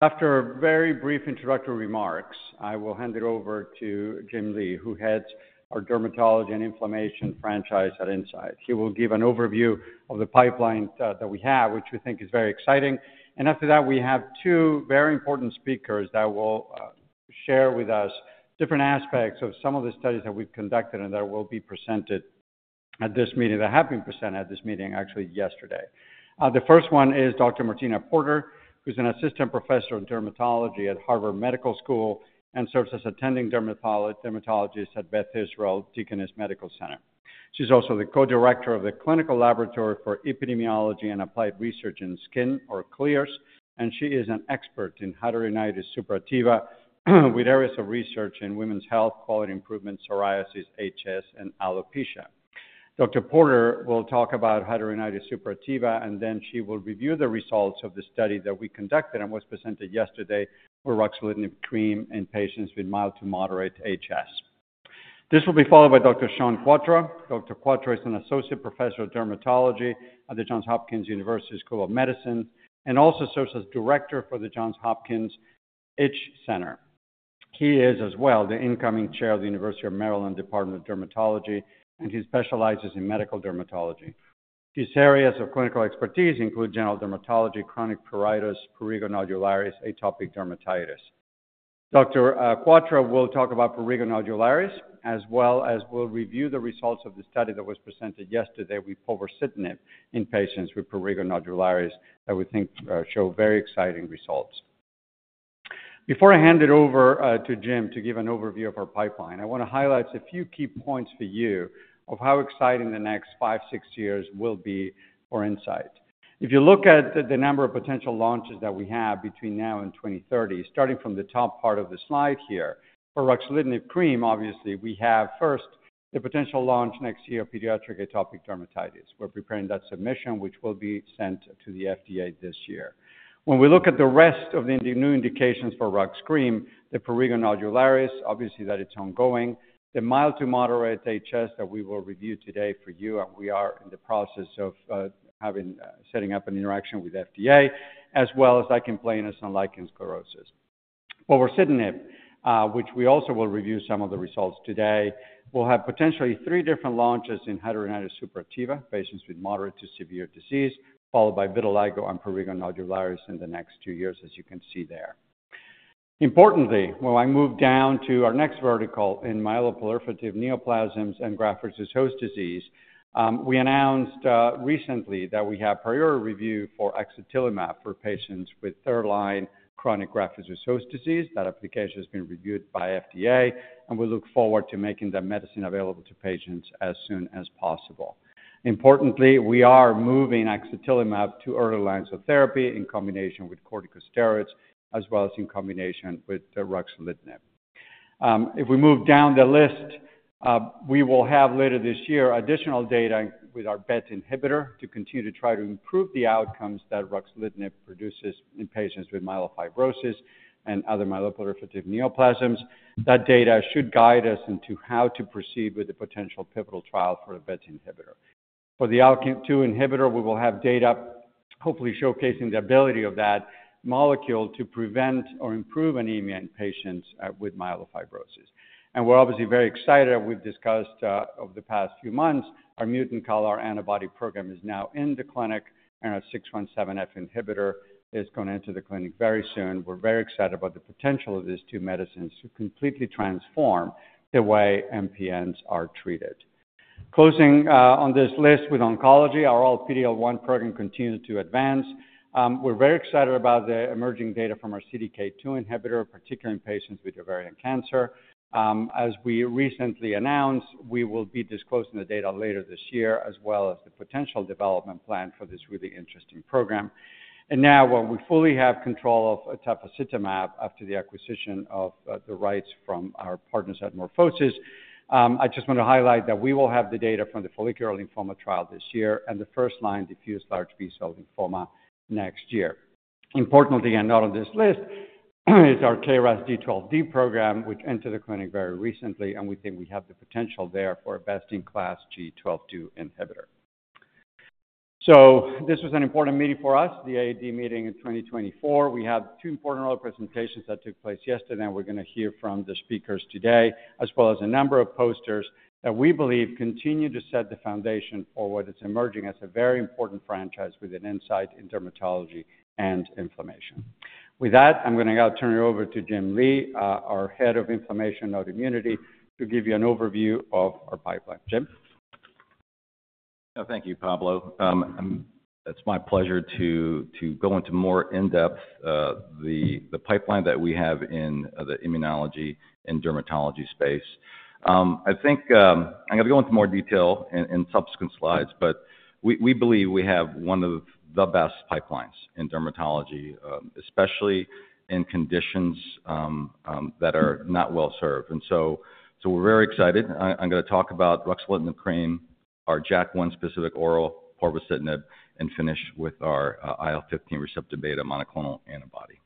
After very brief introductory remarks, I will hand it over to Jim Lee, who heads our dermatology and inflammation franchise at Incyte. He will give an overview of the pipeline that we have, which we think is very exciting. After that, we have two very important speakers that will share with us different aspects of some of the studies that we've conducted and that will be presented at this meeting that have been presented at this meeting, actually, yesterday. The first one is Dr. Martina Porter, who's an assistant professor in dermatology at Harvard Medical School and serves as attending dermatologist at Beth Israel Deaconess Medical Center. She's also the co-director of the Clinical Laboratory for Epidemiology and Applied Research in Skin, or CLEARS, and she is an expert in hidradenitis suppurativa with areas of research in women's health, quality improvement, psoriasis, HS, and alopecia. Dr. Porter will talk about hidradenitis suppurativa, and then she will review the results of the study that we conducted and was presented yesterday for ruxolitinib cream in patients with mild to moderate HS. This will be followed by Dr. Shawn Kwatra. Dr. Shawn Kwatra is an associate professor of dermatology at the Johns Hopkins University School of Medicine and also serves as director for the Johns Hopkins Itch Center. He is, as well, the incoming chair of the University of Maryland Department of Dermatology, and he specializes in medical dermatology. His areas of clinical expertise include general dermatology, chronic pruritus, prurigo nodularis, atopic dermatitis. Dr. Shawn Kwatra will talk about prurigo nodularis, as well as will review the results of the study that was presented yesterday with povorcitinib in patients with prurigo nodularis that we think show very exciting results. Before I hand it over to Jim to give an overview of our pipeline, I want to highlight a few key points for you of how exciting the next 5, 6 years will be for Incyte. If you look at the number of potential launches that we have between now and 2030, starting from the top part of the slide here for ruxolitinib cream, obviously, we have, first, the potential launch next year, pediatric atopic dermatitis. We're preparing that submission, which will be sent to the FDA this year. When we look at the rest of the new indications for rux cream, the prurigo nodularis, obviously that it's ongoing, the mild to moderate HS that we will review today for you, and we are in the process of setting up an interaction with FDA, as well as lichen planus and lichen sclerosus. Povorcitinib, which we also will review some of the results today, will have potentially three different launches in hidradenitis suppurativa, patients with moderate to severe disease, followed by vitiligo and prurigo nodularis in the next two years, as you can see there. Importantly, when I move down to our next vertical in myeloproliferative neoplasms and graft-versus-host disease, we announced recently that we have prior review for axatilimab for patients with third-line chronic graft-versus-host disease. That application has been reviewed by FDA, and we look forward to making that medicine available to patients as soon as possible. Importantly, we are moving axatilimab to early lines of therapy in combination with corticosteroids, as well as in combination with ruxolitinib. If we move down the list, we will have later this year additional data with our BET inhibitor to continue to try to improve the outcomes that ruxolitinib produces in patients with myelofibrosis and other myeloproliferative neoplasms. That data should guide us into how to proceed with the potential pivotal trial for the BET inhibitor. For the CDK2 inhibitor, we will have data hopefully showcasing the ability of that molecule to prevent or improve anemia in patients with myelofibrosis. We're obviously very excited. We've discussed over the past few months our mCALR antibody program is now in the clinic, and our V617F inhibitor is going to enter the clinic very soon. We're very excited about the potential of these two medicines to completely transform the way MPNs are treated. Closing on this list with oncology, our anti-PD-L1 program continues to advance. We're very excited about the emerging data from our CDK2 inhibitor, particularly in patients with ovarian cancer. As we recently announced, we will be disclosing the data later this year, as well as the potential development plan for this really interesting program. Now, when we fully have control of tafasitamab after the acquisition of the rights from our partners at MorphoSys, I just want to highlight that we will have the data from the follicular lymphoma trial this year and the first-line diffuse large B-cell lymphoma next year. Importantly, and not on this list, is our KRAS G12D program, which entered the clinic very recently, and we think we have the potential there for a best-in-class G12D inhibitor. This was an important meeting for us, the AAD meeting in 2024. We had two important other presentations that took place yesterday, and we're going to hear from the speakers today, as well as a number of posters that we believe continue to set the foundation for what is emerging as a very important franchise within Incyte in dermatology and inflammation. With that, I'm going to turn it over to Jim Lee, our head of inflammation and autoimmunity, to give you an overview of our pipeline. Jim? Thank you, Pablo. It's my pleasure to go into more in-depth the pipeline that we have in the immunology and dermatology space. I think I'm going to go into more detail in subsequent slides, but we believe we have one of the best pipelines in dermatology, especially in conditions that are not well served. We're very excited. I'm going to talk about ruxolitinib cream, our JAK1-specific oral povorcitinib, and finish with our IL-15 receptor beta monoclonal antibody.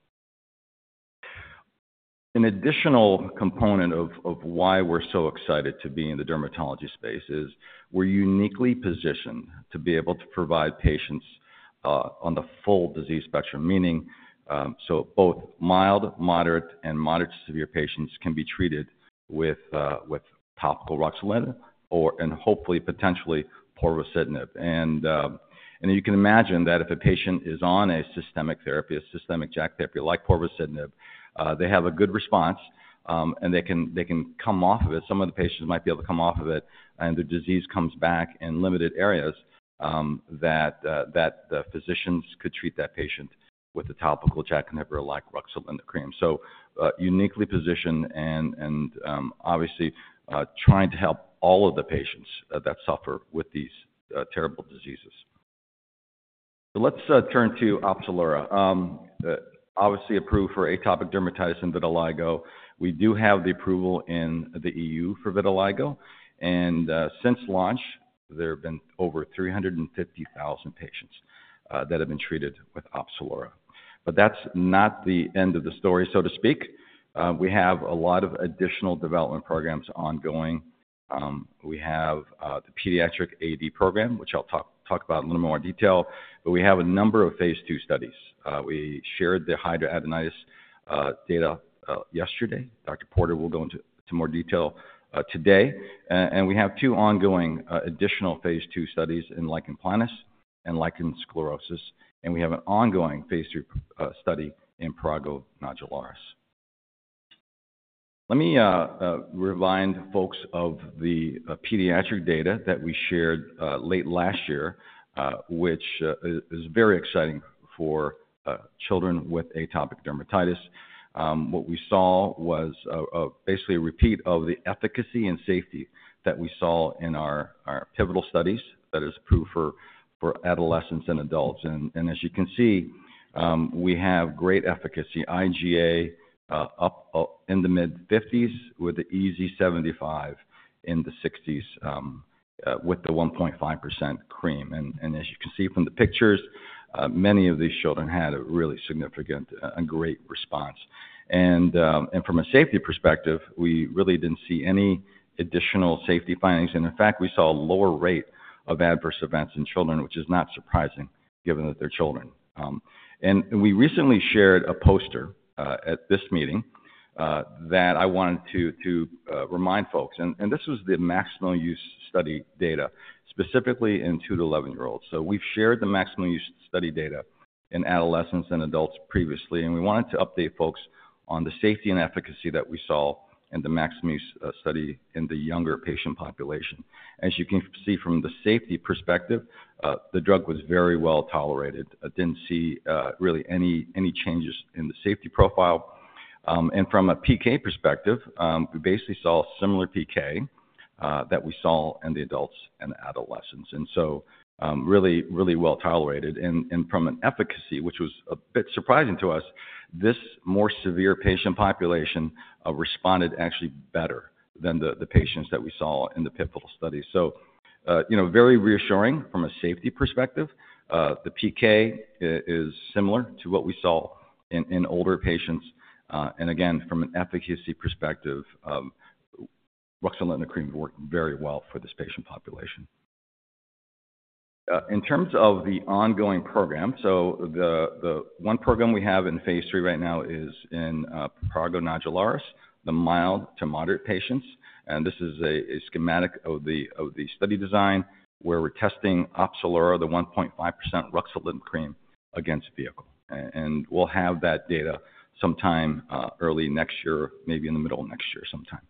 An additional component of why we're so excited to be in the dermatology space is we're uniquely positioned to be able to provide patients on the full disease spectrum, meaning so both mild, moderate, and moderate to severe patients can be treated with topical ruxolitinib or, and hopefully, potentially, povorcitinib. And you can imagine that if a patient is on a systemic therapy, a systemic JAK therapy like povorcitinib, they have a good response, and they can come off of it. Some of the patients might be able to come off of it, and their disease comes back in limited areas that the physicians could treat that patient with a topical JAK inhibitor like ruxolitinib cream. So uniquely positioned and obviously trying to help all of the patients that suffer with these terrible diseases. Let's turn to Opzelura. Obviously approved for atopic dermatitis and vitiligo. We do have the approval in the EU for vitiligo, and since launch, there have been over 350,000 patients that have been treated with Opzelura. But that's not the end of the story, so to speak. We have a lot of additional development programs ongoing. We have the pediatric AAD program, which I'll talk about in a little more detail, but we have a number of phase 2 studies. We shared the hidradenitis data yesterday. Dr. Porter will go into more detail today. We have 2 ongoing additional phase 2 studies in lichen planus and lichen sclerosus, and we have an ongoing phase 3 study in prurigo nodularis. Let me remind folks of the pediatric data that we shared late last year, which is very exciting for children with atopic dermatitis. What we saw was basically a repeat of the efficacy and safety that we saw in our pivotal studies that is approved for adolescents and adults. As you can see, we have great efficacy, IGA up in the mid-50s with the EASI 75 in the 60s with the 1.5% cream. As you can see from the pictures, many of these children had a really significant and great response. From a safety perspective, we really didn't see any additional safety findings. In fact, we saw a lower rate of adverse events in children, which is not surprising given that they're children. We recently shared a poster at this meeting that I wanted to remind folks. This was the maximum use study data, specifically in 2-11-year-olds. We've shared the maximum use study data in adolescents and adults previously, and we wanted to update folks on the safety and efficacy that we saw in the maximum use study in the younger patient population. As you can see from the safety perspective, the drug was very well tolerated. Didn't see really any changes in the safety profile. From a PK perspective, we basically saw a similar PK that we saw in the adults and adolescents. And so really, really well tolerated. And from an efficacy, which was a bit surprising to us, this more severe patient population responded actually better than the patients that we saw in the pivotal studies. So, you know, very reassuring from a safety perspective. The PK is similar to what we saw in older patients. And again, from an efficacy perspective, ruxolitinib cream worked very well for this patient population. In terms of the ongoing program, so the one program we have in phase 3 right now is in prurigo nodularis, the mild to moderate patients. And this is a schematic of the study design where we're testing Opzelura, the 1.5% ruxolitinib cream, against vehicle. And we'll have that data sometime early next year, maybe in the middle of next year sometime.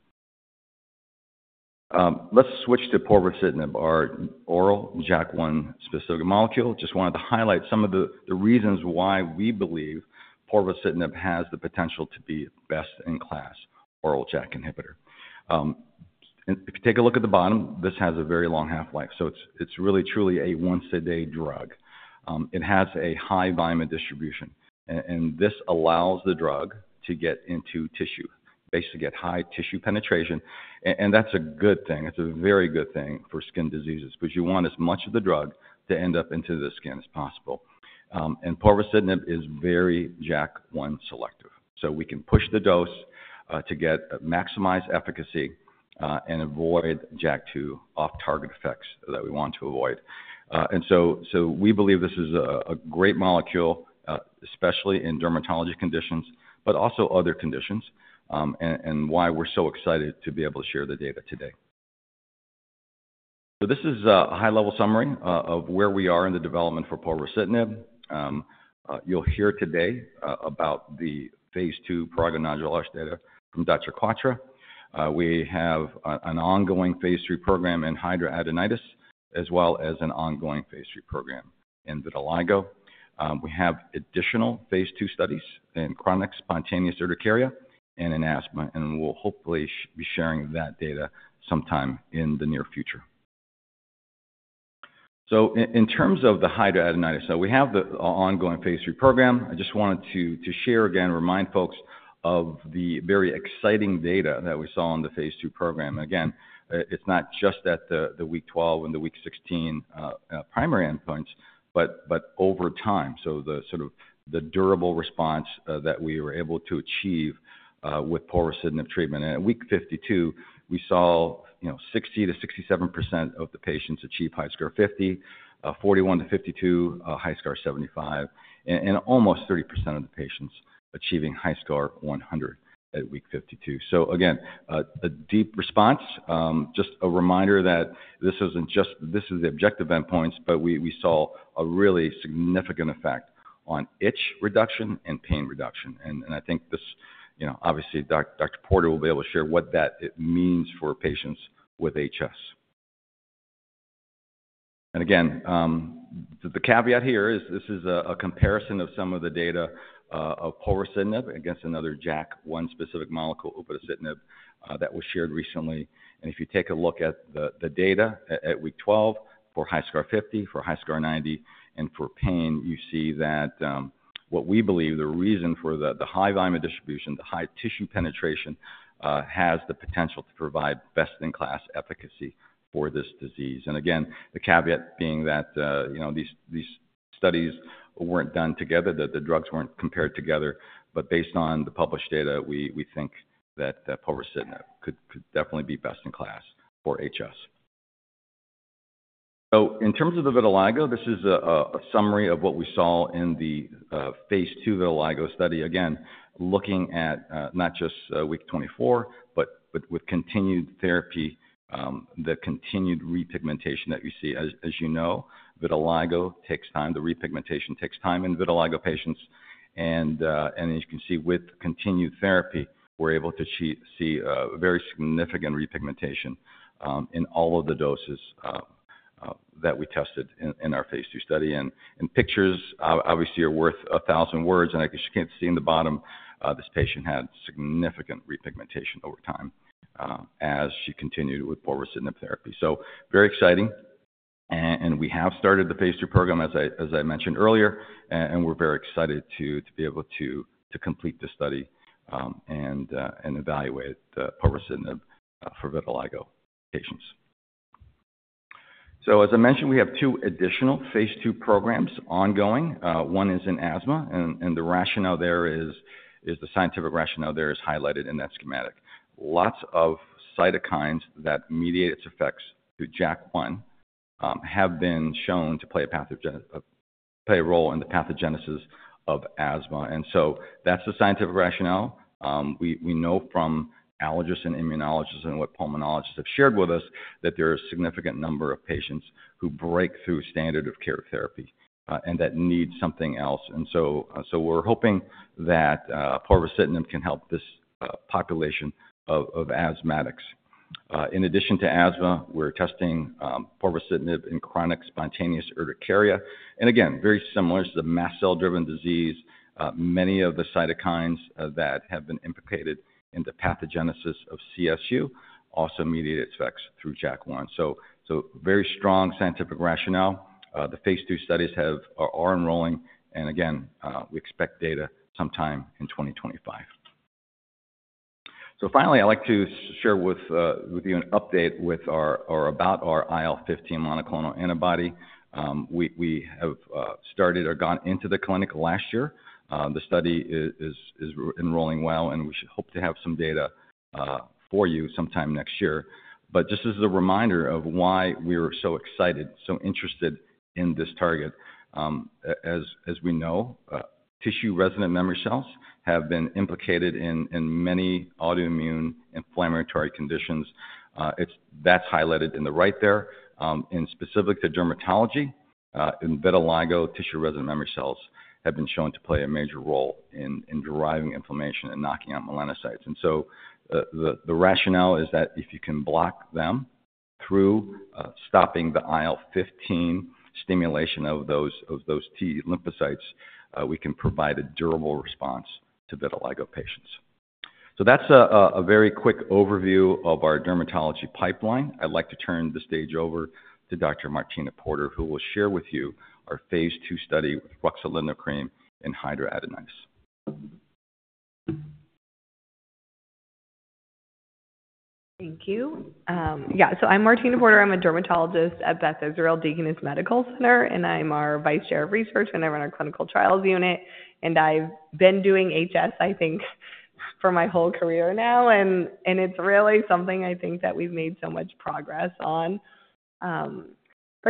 Let's switch to povorcitinib, our oral JAK1-specific molecule. Just wanted to highlight some of the reasons why we believe povorcitinib has the potential to be best-in-class oral JAK inhibitor. If you take a look at the bottom, this has a very long half-life. So it's really truly a once-a-day drug. It has a high volume of distribution. And this allows the drug to get into tissue, basically get high tissue penetration. And that's a good thing. It's a very good thing for skin diseases because you want as much of the drug to end up into the skin as possible. And povorcitinib is very JAK1-selective. So we can push the dose to get maximized efficacy and avoid JAK2 off-target effects that we want to avoid. So we believe this is a great molecule, especially in dermatology conditions, but also other conditions, and why we're so excited to be able to share the data today. So this is a high-level summary of where we are in the development for povorcitinib. You'll hear today about the phase two prurigo nodularis data from Dr. Kwatra. We have an ongoing phase three program in hidradenitis, as well as an ongoing phase three program in vitiligo. We have additional phase two studies in chronic spontaneous urticaria and in asthma, and we'll hopefully be sharing that data sometime in the near future. So in terms of the hidradenitis, so we have the ongoing phase three program. I just wanted to share again, remind folks of the very exciting data that we saw on the phase two program. Again, it's not just at the week 12 and the week 16 primary endpoints, but over time. So the sort of durable response that we were able to achieve with povorcitinib treatment. At week 52, we saw, you know, 60%-67% of the patients achieve HiSCR 50, 41-52 HiSCR 75, and almost 30% of the patients achieving HiSCR 100 at week 52. So again, a deep response. Just a reminder that this isn't just; this is the objective endpoints, but we saw a really significant effect on itch reduction and pain reduction. And I think this, you know, obviously Dr. Porter will be able to share what that means for patients with HS. And again, the caveat here is this is a comparison of some of the data of povorcitinib against another JAK1-specific molecule, upadacitinib, that was shared recently. If you take a look at the data at week 12 for HiSCR 50, for HiSCR 90, and for pain, you see that what we believe the reason for the high volume of distribution, the high tissue penetration, has the potential to provide best-in-class efficacy for this disease. Again, the caveat being that, you know, these studies weren't done together, that the drugs weren't compared together, but based on the published data, we think that povorcitinib could definitely be best-in-class for HS. In terms of the vitiligo, this is a summary of what we saw in the phase 2 vitiligo study. Again, looking at not just week 24, but with continued therapy, the continued repigmentation that you see. As you know, vitiligo takes time. The repigmentation takes time in vitiligo patients. As you can see, with continued therapy, we're able to see very significant repigmentation in all of the doses that we tested in our phase 2 study. Pictures obviously are worth a thousand words, and as you can see in the bottom, this patient had significant repigmentation over time as she continued with povorcitinib therapy. Very exciting. We have started the phase 2 program, as I mentioned earlier, and we're very excited to be able to complete this study and evaluate povorcitinib for vitiligo patients. As I mentioned, we have two additional phase 2 programs ongoing. One is in asthma, and the rationale there is the scientific rationale there is highlighted in that schematic. Lots of cytokines that mediate its effects through JAK1 have been shown to play a role in the pathogenesis of asthma. So that's the scientific rationale. We know from allergists and immunologists and what pulmonologists have shared with us that there is a significant number of patients who break through standard of care therapy and that need something else. So we're hoping that povorcitinib can help this population of asthmatics. In addition to asthma, we're testing povorcitinib in chronic spontaneous urticaria. Again, very similar to the mast cell-driven disease, many of the cytokines that have been implicated in the pathogenesis of CSU also mediate its effects through JAK1. Very strong scientific rationale. The phase 2 studies are enrolling, and again, we expect data sometime in 2025. Finally, I'd like to share with you an update about our IL-15 monoclonal antibody. We have started or gone into the clinic last year. The study is enrolling well, and we hope to have some data for you sometime next year. But just as a reminder of why we're so excited, so interested in this target, as we know, tissue resident memory cells have been implicated in many autoimmune inflammatory conditions. That's highlighted in the right there. Specific to dermatology, in vitiligo, tissue resident memory cells have been shown to play a major role in driving inflammation and knocking out melanocytes. So the rationale is that if you can block them through stopping the IL-15 stimulation of those T lymphocytes, we can provide a durable response to vitiligo patients. That's a very quick overview of our dermatology pipeline. I'd like to turn the stage over to Dr. Martina Porter, who will share with you our phase two study with ruxolitinib cream in hidradenitis. Thank you. Yeah, so I'm Martina Porter. I'm a dermatologist at Beth Israel Deaconess Medical Center, and I'm our Vice Chair of Research, and I run our clinical trials unit. I've been doing HS, I think, for my whole career now, and it's really something I think that we've made so much progress on.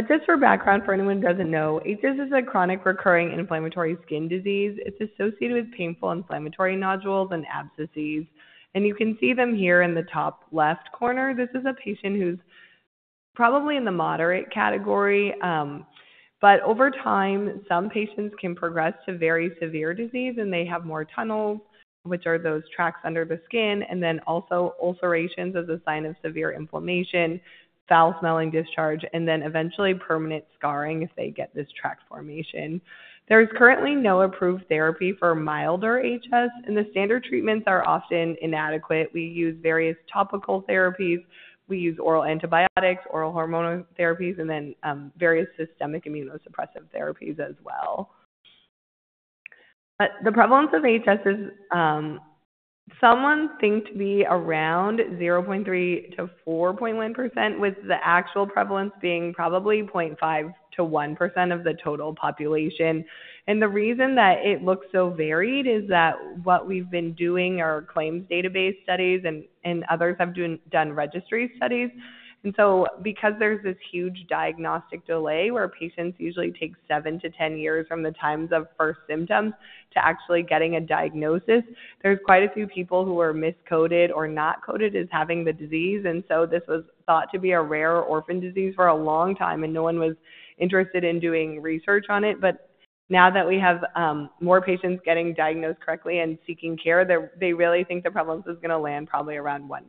Just for background, for anyone who doesn't know, HS is a chronic recurring inflammatory skin disease. It's associated with painful inflammatory nodules and abscesses. You can see them here in the top left corner. This is a patient who's probably in the moderate category. Over time, some patients can progress to very severe disease, and they have more tunnels, which are those tracts under the skin, and then also ulcerations as a sign of severe inflammation, foul-smelling discharge, and then eventually permanent scarring if they get this tract formation. There is currently no approved therapy for milder HS, and the standard treatments are often inadequate. We use various topical therapies. We use oral antibiotics, oral hormonal therapies, and then various systemic immunosuppressive therapies as well. The prevalence of HS is thought to be around 0.3%-4.1%, with the actual prevalence being probably 0.5%-1% of the total population. The reason that it looks so varied is that what we've been doing are claims database studies, and others have done registry studies. So because there's this huge diagnostic delay where patients usually take 7-10 years from the time of first symptoms to actually getting a diagnosis, there's quite a few people who are miscoded or not coded as having the disease. This was thought to be a rare orphan disease for a long time, and no one was interested in doing research on it. Now that we have more patients getting diagnosed correctly and seeking care, they really think the prevalence is going to land probably around 1%.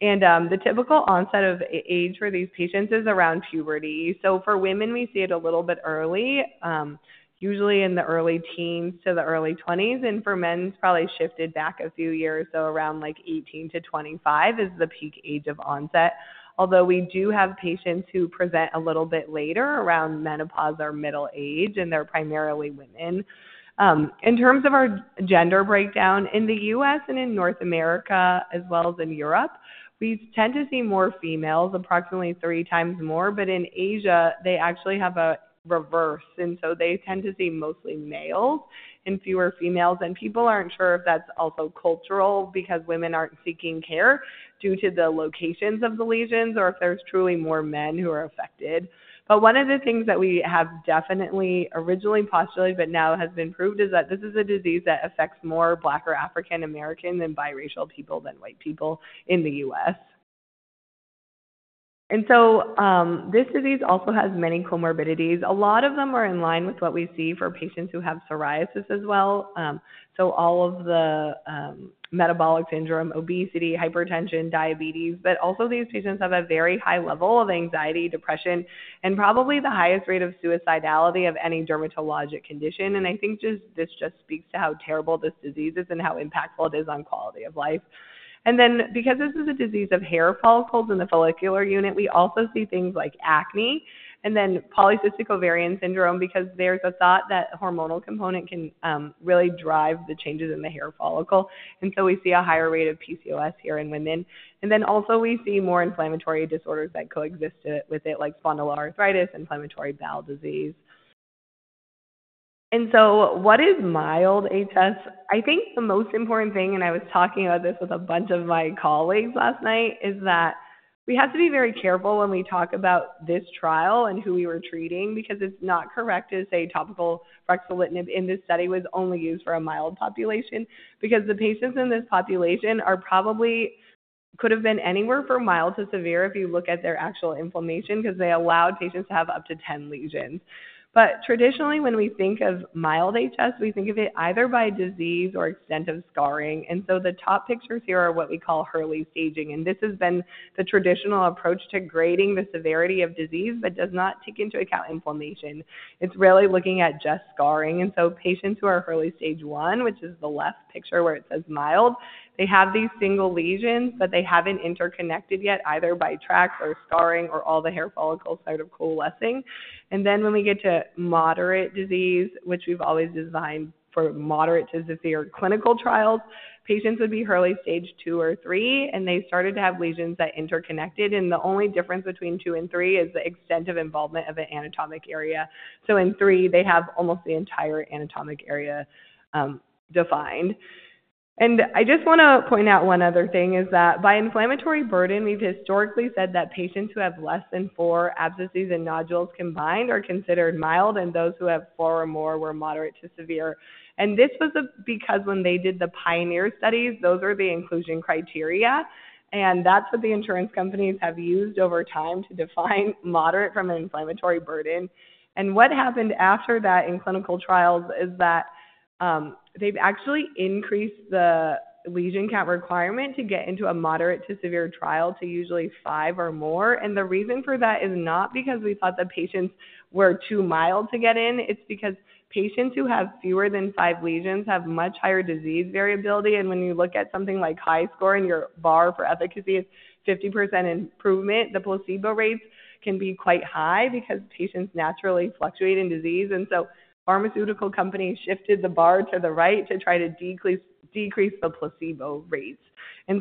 The typical onset of age for these patients is around puberty. For women, we see it a little bit early, usually in the early teens to the early 20s. For men, it's probably shifted back a few years, so around like 18-25 is the peak age of onset. Although we do have patients who present a little bit later, around menopause or middle age, and they're primarily women. In terms of our gender breakdown, in the U.S. In North America, as well as in Europe, we tend to see more females, approximately 3 times more. But in Asia, they actually have a reverse, and so they tend to see mostly males and fewer females. People aren't sure if that's also cultural because women aren't seeking care due to the locations of the lesions or if there's truly more men who are affected. But one of the things that we have definitely originally postulated, but now has been proved, is that this is a disease that affects more Black or African-American than biracial people than white people in the U.S. So this disease also has many comorbidities. A lot of them are in line with what we see for patients who have psoriasis as well. So all of the metabolic syndrome, obesity, hypertension, diabetes, but also these patients have a very high level of anxiety, depression, and probably the highest rate of suicidality of any dermatologic condition. And I think just this speaks to how terrible this disease is and how impactful it is on quality of life. And then because this is a disease of hair follicles in the follicular unit, we also see things like acne and then polycystic ovarian syndrome because there's a thought that hormonal component can really drive the changes in the hair follicle. And so we see a higher rate of PCOS here in women. And then also we see more inflammatory disorders that coexist with it, like spondyloarthritis, inflammatory bowel disease. And so what is mild HS? I think the most important thing, and I was talking about this with a bunch of my colleagues last night, is that we have to be very careful when we talk about this trial and who we were treating because it's not correct to say topical ruxolitinib in this study was only used for a mild population because the patients in this population are probably could have been anywhere from mild to severe if you look at their actual inflammation because they allowed patients to have up to 10 lesions. But traditionally, when we think of mild HS, we think of it either by disease or extent of scarring. And so the top pictures here are what we call early staging. And this has been the traditional approach to grading the severity of disease but does not take into account inflammation. It's really looking at just scarring. And so patients who are early stage 1, which is the left picture where it says mild, they have these single lesions, but they haven't interconnected yet either by tracts or scarring or all the hair follicles started coalescing. And then when we get to moderate disease, which we've always designed for moderate to severe clinical trials, patients would be early stage 2 or 3, and they started to have lesions that interconnected. And the only difference between 2 and 3 is the extent of involvement of the anatomic area. So in 3, they have almost the entire anatomic area defined. And I just want to point out one other thing is that by inflammatory burden, we've historically said that patients who have less than 4 abscesses and nodules combined are considered mild, and those who have 4 or more were moderate to severe. This was because when they did the Pioneer studies, those are the inclusion criteria, and that's what the insurance companies have used over time to define moderate from an inflammatory burden. What happened after that in clinical trials is that they've actually increased the lesion count requirement to get into a moderate to severe trial to usually five or more. The reason for that is not because we thought the patients were too mild to get in. It's because patients who have fewer than five lesions have much higher disease variability. When you look at something like HiSCR and your bar for efficacy is 50% improvement, the placebo rates can be quite high because patients naturally fluctuate in disease. So pharmaceutical companies shifted the bar to the right to try to decrease the placebo rates.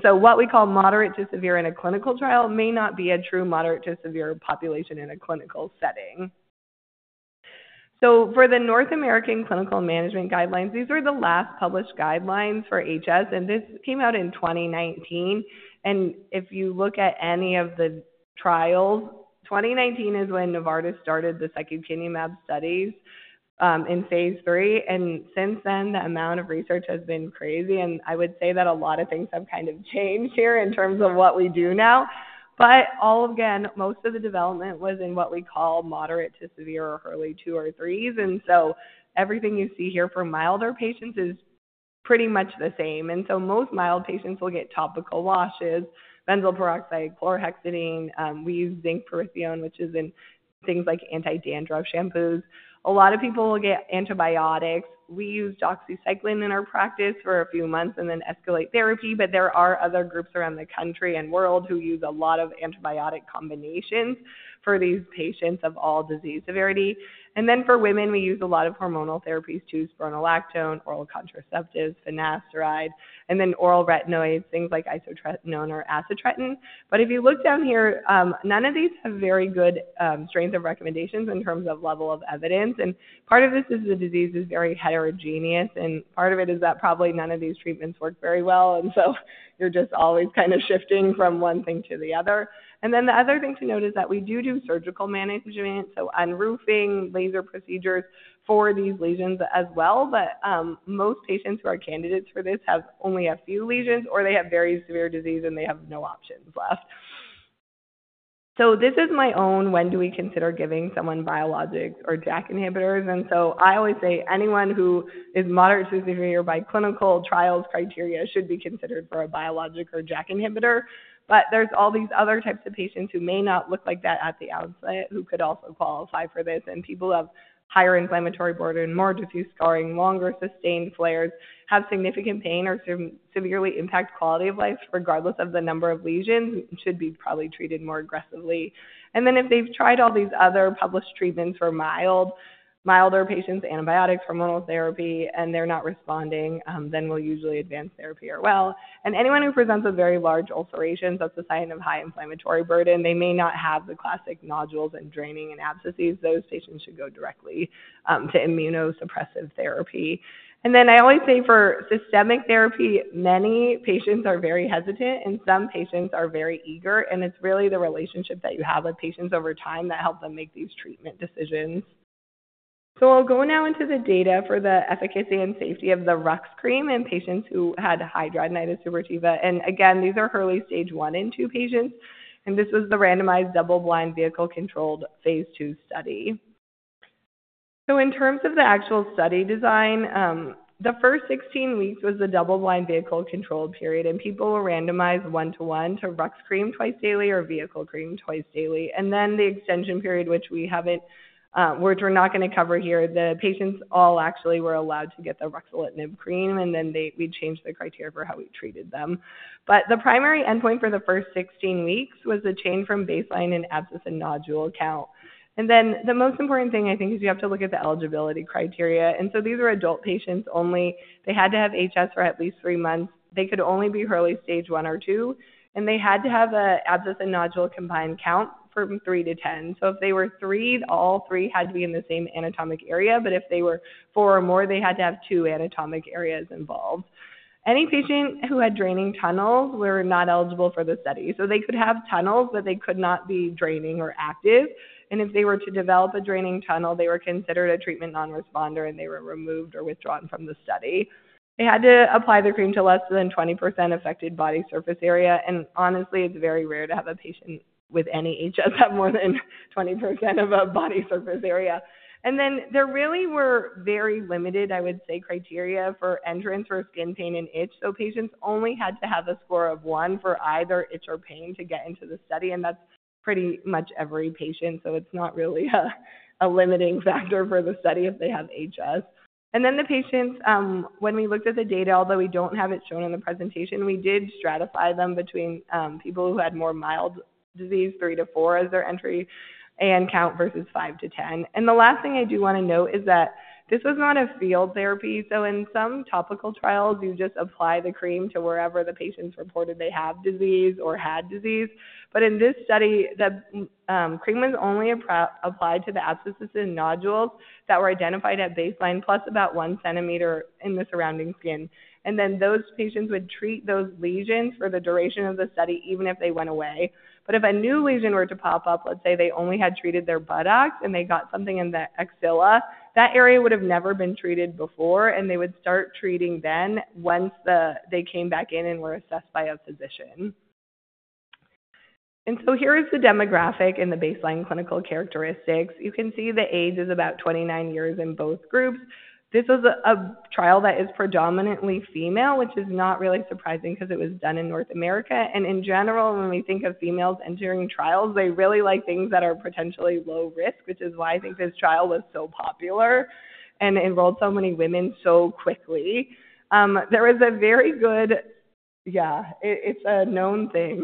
What we call moderate to severe in a clinical trial may not be a true moderate to severe population in a clinical setting. So for the North American Clinical Management Guidelines, these were the last published guidelines for HS, and this came out in 2019. And if you look at any of the trials, 2019 is when Novartis started the secukinumab studies in phase 3. And since then, the amount of research has been crazy, and I would say that a lot of things have kind of changed here in terms of what we do now. But all again, most of the development was in what we call moderate to severe or early 2 or 3s. And so everything you see here for milder patients is pretty much the same. And so most mild patients will get topical washes, benzoyl peroxide, chlorhexidine. We use zinc pyrithione, which is in things like anti-dandruff shampoos. A lot of people will get antibiotics. We use doxycycline in our practice for a few months and then escalate therapy. But there are other groups around the country and world who use a lot of antibiotic combinations for these patients of all disease severity. And then for women, we use a lot of hormonal therapies too, spironolactone, oral contraceptives, finasteride, and then oral retinoids, things like isotretinoin or acitretin. But if you look down here, none of these have very good strength of recommendations in terms of level of evidence. And part of this is the disease is very heterogeneous, and part of it is that probably none of these treatments work very well. And so you're just always kind of shifting from one thing to the other. And then the other thing to note is that we do do surgical management, so unroofing, laser procedures for these lesions as well. But most patients who are candidates for this have only a few lesions, or they have very severe disease, and they have no options left. So this is my own when do we consider giving someone biologics or JAK inhibitors. And so I always say anyone who is moderate to severe by clinical trials criteria should be considered for a biologic or JAK inhibitor. But there's all these other types of patients who may not look like that at the outset, who could also qualify for this. And people who have higher inflammatory burden, more diffuse scarring, longer sustained flares, have significant pain or severely impact quality of life, regardless of the number of lesions, should be probably treated more aggressively. Then if they've tried all these other published treatments for mild, milder patients, antibiotics, hormonal therapy, and they're not responding, then we'll usually advance therapy as well. Anyone who presents with very large ulcerations, that's a sign of high inflammatory burden. They may not have the classic nodules and draining and abscesses. Those patients should go directly to immunosuppressive therapy. I always say for systemic therapy, many patients are very hesitant, and some patients are very eager. It's really the relationship that you have with patients over time that helps them make these treatment decisions. I'll go now into the data for the efficacy and safety of the Rux cream in patients who had hidradenitis suppurativa. Again, these are early stage 1 and 2 patients. This was the randomized double-blind vehicle-controlled phase II study. So in terms of the actual study design, the first 16 weeks was the double-blind vehicle-controlled period, and people were randomized 1 to 1 to rux cream twice daily or vehicle cream twice daily. Then the extension period, which we're not going to cover here, the patients all actually were allowed to get the ruxolitinib cream, and then we changed the criteria for how we treated them. But the primary endpoint for the first 16 weeks was a change from baseline in abscess and nodule count. Then the most important thing, I think, is you have to look at the eligibility criteria. So these were adult patients only. They had to have HS for at least 3 months. They could only be early stage 1 or 2, and they had to have an abscess and nodule combined count from 3-10. If they were 3, all three had to be in the same anatomic area. If they were 4 or more, they had to have two anatomic areas involved. Any patient who had draining tunnels were not eligible for the study. They could have tunnels, but they could not be draining or active. If they were to develop a draining tunnel, they were considered a treatment non-responder, and they were removed or withdrawn from the study. They had to apply the cream to less than 20% affected body surface area. Honestly, it's very rare to have a patient with any HS have more than 20% of a body surface area. Then there really were very limited, I would say, criteria for entrance for skin pain and itch. Patients only had to have a score of 1 for either itch or pain to get into the study. That's pretty much every patient. It's not really a limiting factor for the study if they have HS. Then the patients, when we looked at the data, although we don't have it shown in the presentation, we did stratify them between people who had more mild disease, 3-4 as their entry and count versus 5-10. The last thing I do want to note is that this was not a field therapy. In some topical trials, you just apply the cream to wherever the patients reported they have disease or had disease. But in this study, the cream was only applied to the abscesses and nodules that were identified at baseline plus about 1 centimeter in the surrounding skin. Then those patients would treat those lesions for the duration of the study, even if they went away. But if a new lesion were to pop up, let's say they only had treated their buttocks and they got something in the axilla, that area would have never been treated before, and they would start treating then once they came back in and were assessed by a physician. So here is the demographic and the baseline clinical characteristics. You can see the age is about 29 years in both groups. This was a trial that is predominantly female, which is not really surprising because it was done in North America. In general, when we think of females entering trials, they really like things that are potentially low risk, which is why I think this trial was so popular and enrolled so many women so quickly. There was a very good yeah, it's a known thing.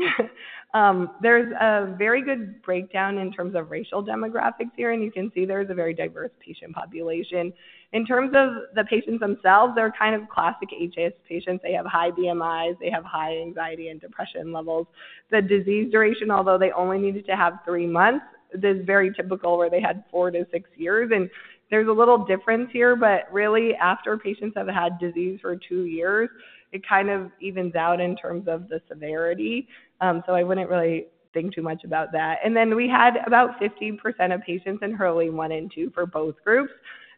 There's a very good breakdown in terms of racial demographics here, and you can see there is a very diverse patient population. In terms of the patients themselves, they're kind of classic HS patients. They have high BMIs. They have high anxiety and depression levels. The disease duration, although they only needed to have 3 months, this very typical where they had 4-6 years. And there's a little difference here, but really after patients have had disease for 2 years, it kind of evens out in terms of the severity. So I wouldn't really think too much about that. And then we had about 50% of patients in early one and two for both groups.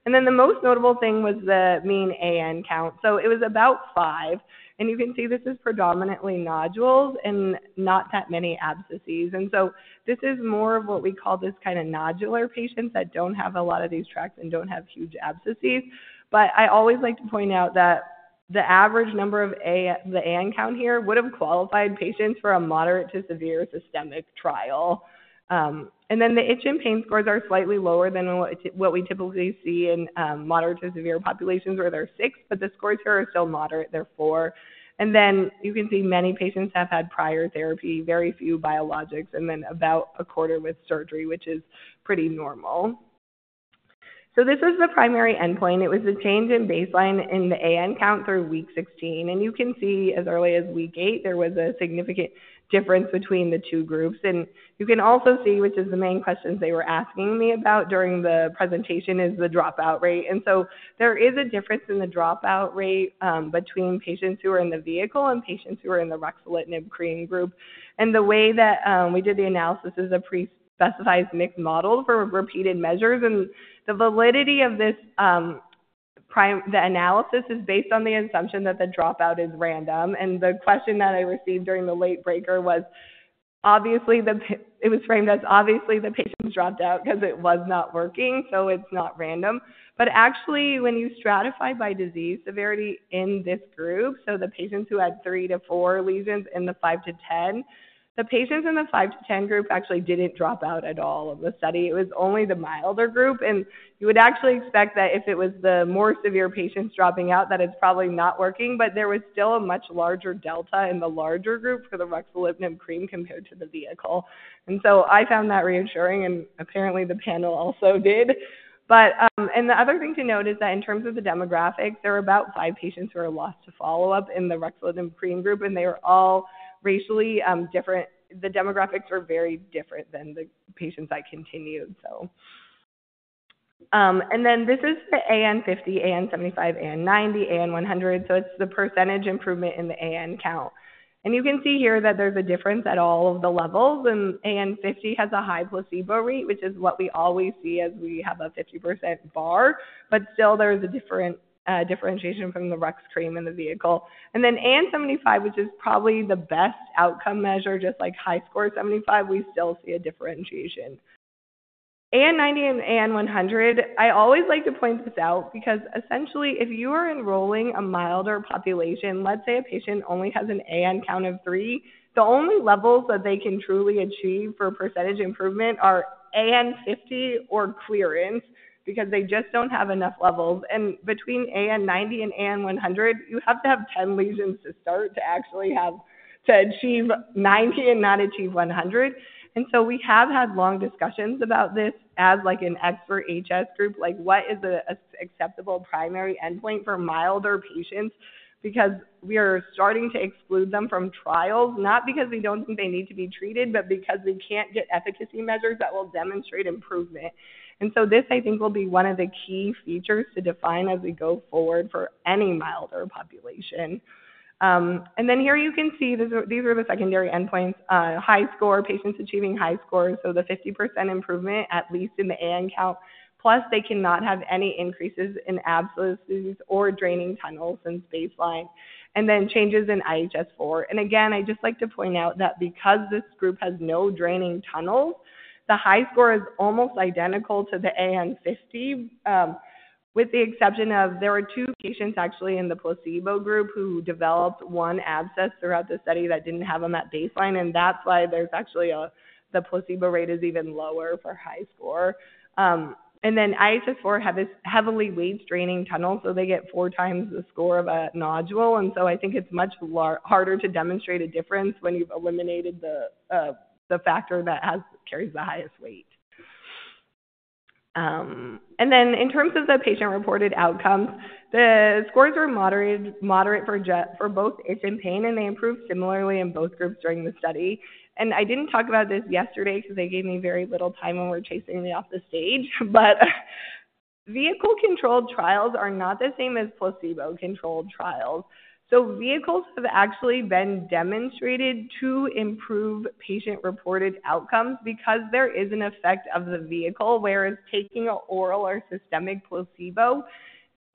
And then the most notable thing was the mean AN count. So it was about 5. And you can see this is predominantly nodules and not that many abscesses. And so this is more of what we call this kind of nodular patients that don't have a lot of these tracts and don't have huge abscesses. But I always like to point out that the average number of AN count here would have qualified patients for a moderate to severe systemic trial. And then the itch and pain scores are slightly lower than what we typically see in moderate to severe populations where they're 6, but the scores here are still moderate. They're 4. And then you can see many patients have had prior therapy, very few biologics, and then about a quarter with surgery, which is pretty normal. So this was the primary endpoint. It was the change in baseline in the AN count through week 16. And you can see as early as week 8, there was a significant difference between the two groups. And you can also see, which is the main questions they were asking me about during the presentation, is the dropout rate. And so there is a difference in the dropout rate between patients who are in the vehicle and patients who are in the ruxolitinib cream group. And the way that we did the analysis is a pre-specified mixed model for repeated measures. And the validity of this analysis is based on the assumption that the dropout is random. And the question that I received during the late breaker was obviously, it was framed as obviously the patients dropped out because it was not working. So it's not random. But actually, when you stratify by disease severity in this group, so the patients who had 3-4 lesions in the 5-10, the patients in the 5-10 group actually didn't drop out at all of the study. It was only the milder group. And you would actually expect that if it was the more severe patients dropping out, that it's probably not working. But there was still a much larger delta in the larger group for the ruxolitinib cream compared to the vehicle. And so I found that reassuring, and apparently the panel also did. But and the other thing to note is that in terms of the demographics, there are about 5 patients who are lost to follow up in the ruxolitinib cream group, and they were all racially different. The demographics were very different than the patients that continued, so. This is the AN 50, AN 75, AN 90, AN 100. It's the percentage improvement in the AN count. You can see here that there's a difference at all of the levels. AN 50 has a high placebo rate, which is what we always see as we have a 50% bar. But still, there is a different differentiation from the Rux cream in the vehicle. AN 75, which is probably the best outcome measure, just like HiSCR 75, we still see a differentiation. AN 90 and AN 100, I always like to point this out because essentially if you are enrolling a milder population, let's say a patient only has an AN count of three, the only levels that they can truly achieve for percentage improvement are AN 50 or clearance because they just don't have enough levels. Between AN 90 and AN 100, you have to have 10 lesions to start to actually have to achieve 90 and not achieve 100. And so we have had long discussions about this as like an expert HS group, like what is an acceptable primary endpoint for milder patients because we are starting to exclude them from trials, not because we don't think they need to be treated, but because we can't get efficacy measures that will demonstrate improvement. And so this, I think, will be one of the key features to define as we go forward for any milder population. And then here you can see these are the secondary endpoints, HiSCR, patients achieving HiSCR. So the 50% improvement, at least in the AN count, plus they cannot have any increases in abscesses or draining tunnels since baseline, and then changes in IHS4. Again, I just like to point out that because this group has no draining tunnels, the HiSCR is almost identical to the AN50, with the exception of there were two patients actually in the placebo group who developed one abscess throughout the study that didn't have them at baseline. And that's why there's actually a the placebo rate is even lower for HiSCR. And then IHS4 have this heavily weighted draining tunnel, so they get four times the score of a nodule. And so I think it's much harder to demonstrate a difference when you've eliminated the factor that carries the highest weight. And then in terms of the patient-reported outcomes, the scores were moderate for both itch and pain, and they improved similarly in both groups during the study. I didn't talk about this yesterday because they gave me very little time when they were chasing me off the stage. But vehicle-controlled trials are not the same as placebo-controlled trials. So vehicles have actually been demonstrated to improve patient-reported outcomes because there is an effect of the vehicle, whereas taking an oral or systemic placebo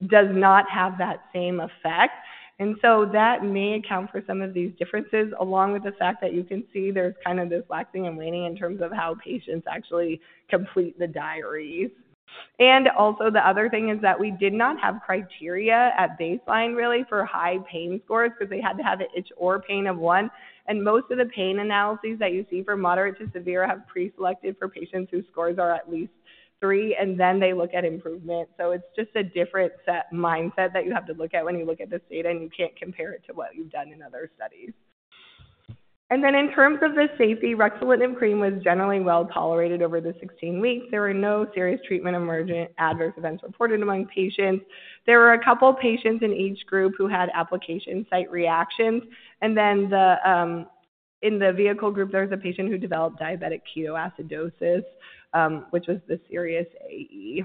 does not have that same effect. And so that may account for some of these differences, along with the fact that you can see there's kind of this waxing and waning in terms of how patients actually complete the diaries. And also the other thing is that we did not have criteria at baseline, really, for high pain scores because they had to have an itch or pain of one. Most of the pain analyses that you see for moderate to severe have preselected for patients whose scores are at least three, and then they look at improvement. So it's just a different mindset that you have to look at when you look at this data, and you can't compare it to what you've done in other studies. And then in terms of the safety, ruxolitinib cream was generally well tolerated over the 16 weeks. There were no serious treatment emergent adverse events reported among patients. There were a couple of patients in each group who had application site reactions. And then in the vehicle group, there was a patient who developed diabetic ketoacidosis, which was the serious AE.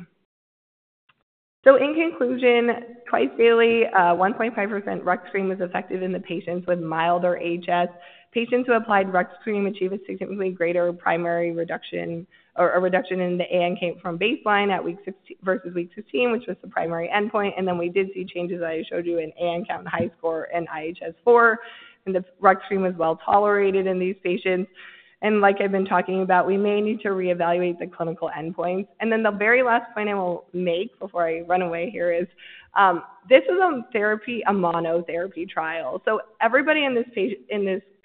So in conclusion, twice daily, 1.5% ruxolitinib cream was effective in the patients with milder HS. Patients who applied Rux cream achieved a significantly greater primary reduction or a reduction in the AN count from baseline at week 6 versus week 16, which was the primary endpoint. Then we did see changes that I showed you in AN count, HiSCR, and IHS4. The Rux cream was well tolerated in these patients. Like I've been talking about, we may need to reevaluate the clinical endpoints. Then the very last point I will make before I run away here is this was a therapy, a monotherapy trial. Everybody in this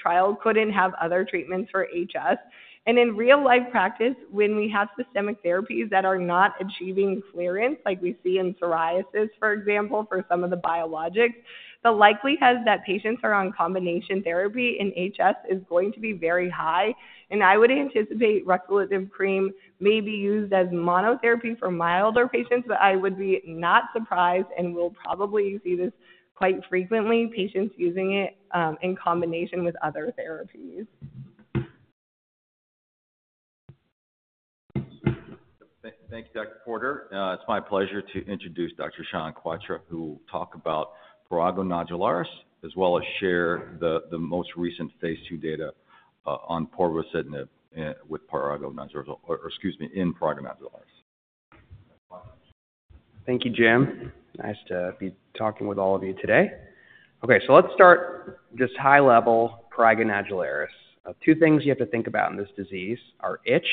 trial couldn't have other treatments for HS. In real life practice, when we have systemic therapies that are not achieving clearance, like we see in psoriasis, for example, for some of the biologics, the likelihood that patients are on combination therapy in HS is going to be very high. I would anticipate ruxolitinib cream may be used as monotherapy for milder patients, but I would be not surprised and will probably see this quite frequently, patients using it in combination with other therapies. Thank you, Dr. Porter. It's my pleasure to introduce Dr. Shawn Kwatra, who will talk about prurigo nodularis as well as share the most recent phase 2 data on povorcitinib with prurigo nodularis or, excuse me, in prurigo nodularis. Thank you, Jim. Nice to be talking with all of you today. Okay, so let's start just high level Prurigo nodularis. Two things you have to think about in this disease are itch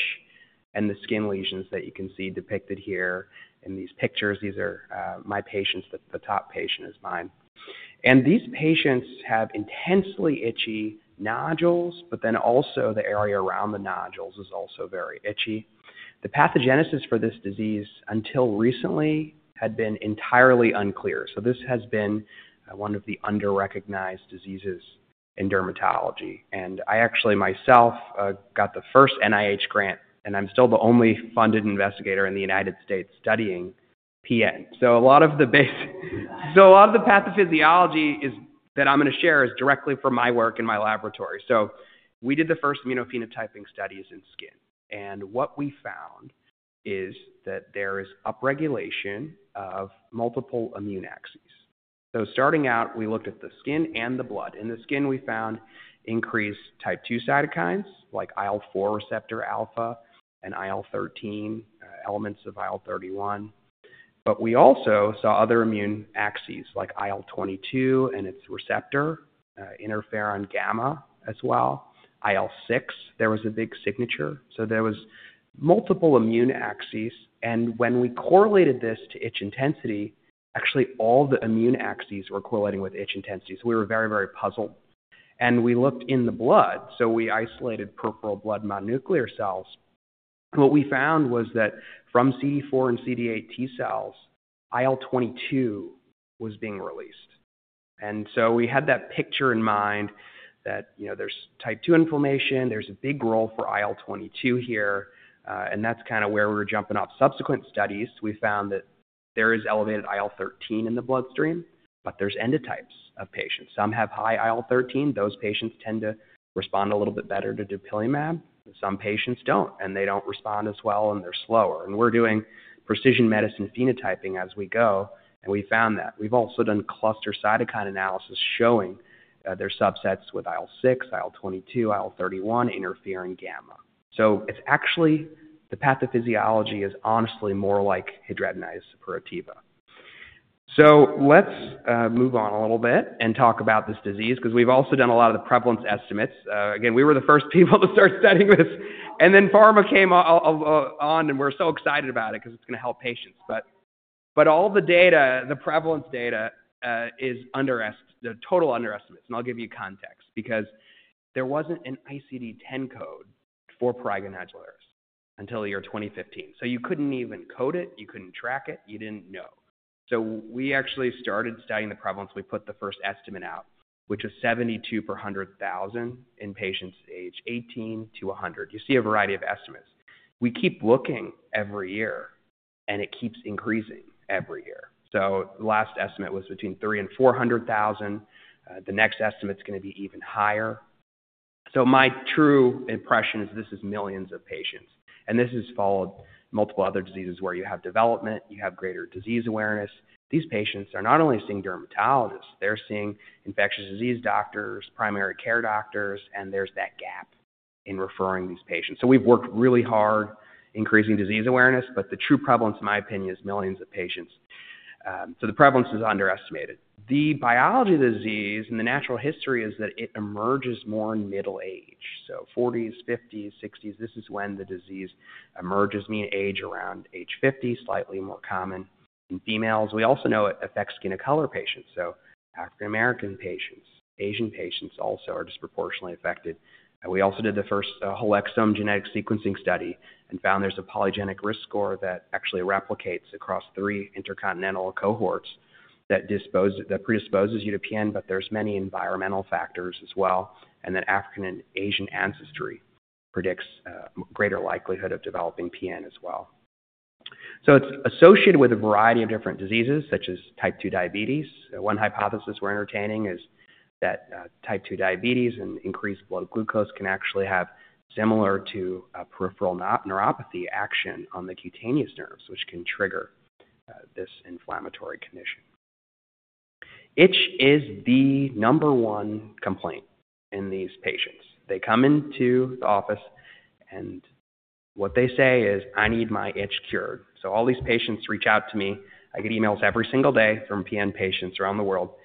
and the skin lesions that you can see depicted here in these pictures. These are my patients. The top patient is mine. These patients have intensely itchy nodules, but then also the area around the nodules is also very itchy. The pathogenesis for this disease until recently had been entirely unclear. This has been one of the underrecognized diseases in dermatology. I actually myself got the first NIH grant, and I'm still the only funded investigator in the United States studying PN. A lot of the pathophysiology that I'm going to share is directly from my work in my laboratory. We did the first immunophenotyping studies in skin. What we found is that there is upregulation of multiple immune axes. Starting out, we looked at the skin and the blood. In the skin, we found increased type two cytokines like IL-4 receptor alpha and IL-13, elements of IL-31. We also saw other immune axes like IL-22 and its receptor, interferon gamma as well. IL-6, there was a big signature. There was multiple immune axes. And when we correlated this to itch intensity, actually all the immune axes were correlating with itch intensity. So we were very, very puzzled. And we looked in the blood. So we isolated peripheral blood mononuclear cells. What we found was that from CD4 and CD8 T cells, IL-22 was being released. And so we had that picture in mind that there's type two inflammation. There's a big role for IL-22 here. And that's kind of where we were jumping off subsequent studies. We found that there is elevated IL-13 in the bloodstream, but there's endotypes of patients. Some have high IL-13. Those patients tend to respond a little bit better to dupilumab. Some patients don't, and they don't respond as well, and they're slower. And we're doing precision medicine phenotyping as we go, and we found that. We've also done cluster cytokine analysis showing their subsets with IL-6, IL-22, IL-31, interferon gamma. So it's actually the pathophysiology is honestly more like hidradenitis suppurativa. So let's move on a little bit and talk about this disease because we've also done a lot of the prevalence estimates. Again, we were the first people to start studying this. And then pharma came on, and we're so excited about it because it's going to help patients. But all the data, the prevalence data is underestimated, total underestimates. And I'll give you context because there wasn't an ICD-10 code for prurigo nodularis until the year 2015. So you couldn't even code it. You couldn't track it. You didn't know. So we actually started studying the prevalence. We put the first estimate out, which was 72 per 100,000 in patients age 18 to 100. You see a variety of estimates. We keep looking every year, and it keeps increasing every year. So the last estimate was between 300,000 and 400,000. The next estimate is going to be even higher. So my true impression is this is millions of patients. And this is followed by multiple other diseases where you have development, you have greater disease awareness. These patients are not only seeing dermatologists, they're seeing infectious disease doctors, primary care doctors, and there's that gap in referring these patients. So we've worked really hard increasing disease awareness, but the true prevalence, in my opinion, is millions of patients. So the prevalence is underestimated. The biology of the disease and the natural history is that it emerges more in middle age, so 40s, 50s, 60s. This is when the disease emerges, meaning age around age 50, slightly more common in females. We also know it affects skin of color patients, so African-American patients, Asian patients also are disproportionately affected. We also did the first whole exome genetic sequencing study and found there's a polygenic risk score that actually replicates across 3 intercontinental cohorts that predisposes you to PN, but there's many environmental factors as well. And then African and Asian ancestry predicts a greater likelihood of developing PN as well. So it's associated with a variety of different diseases such as type 2 diabetes. One hypothesis we're entertaining is that type 2 diabetes and increased blood glucose can actually have similar to peripheral neuropathy action on the cutaneous nerves, which can trigger this inflammatory condition. Itch is the number 1 complaint in these patients. They come into the office, and what they say is, "I need my itch cured." So all these patients reach out to me. I get emails every single day from PN patients around the world.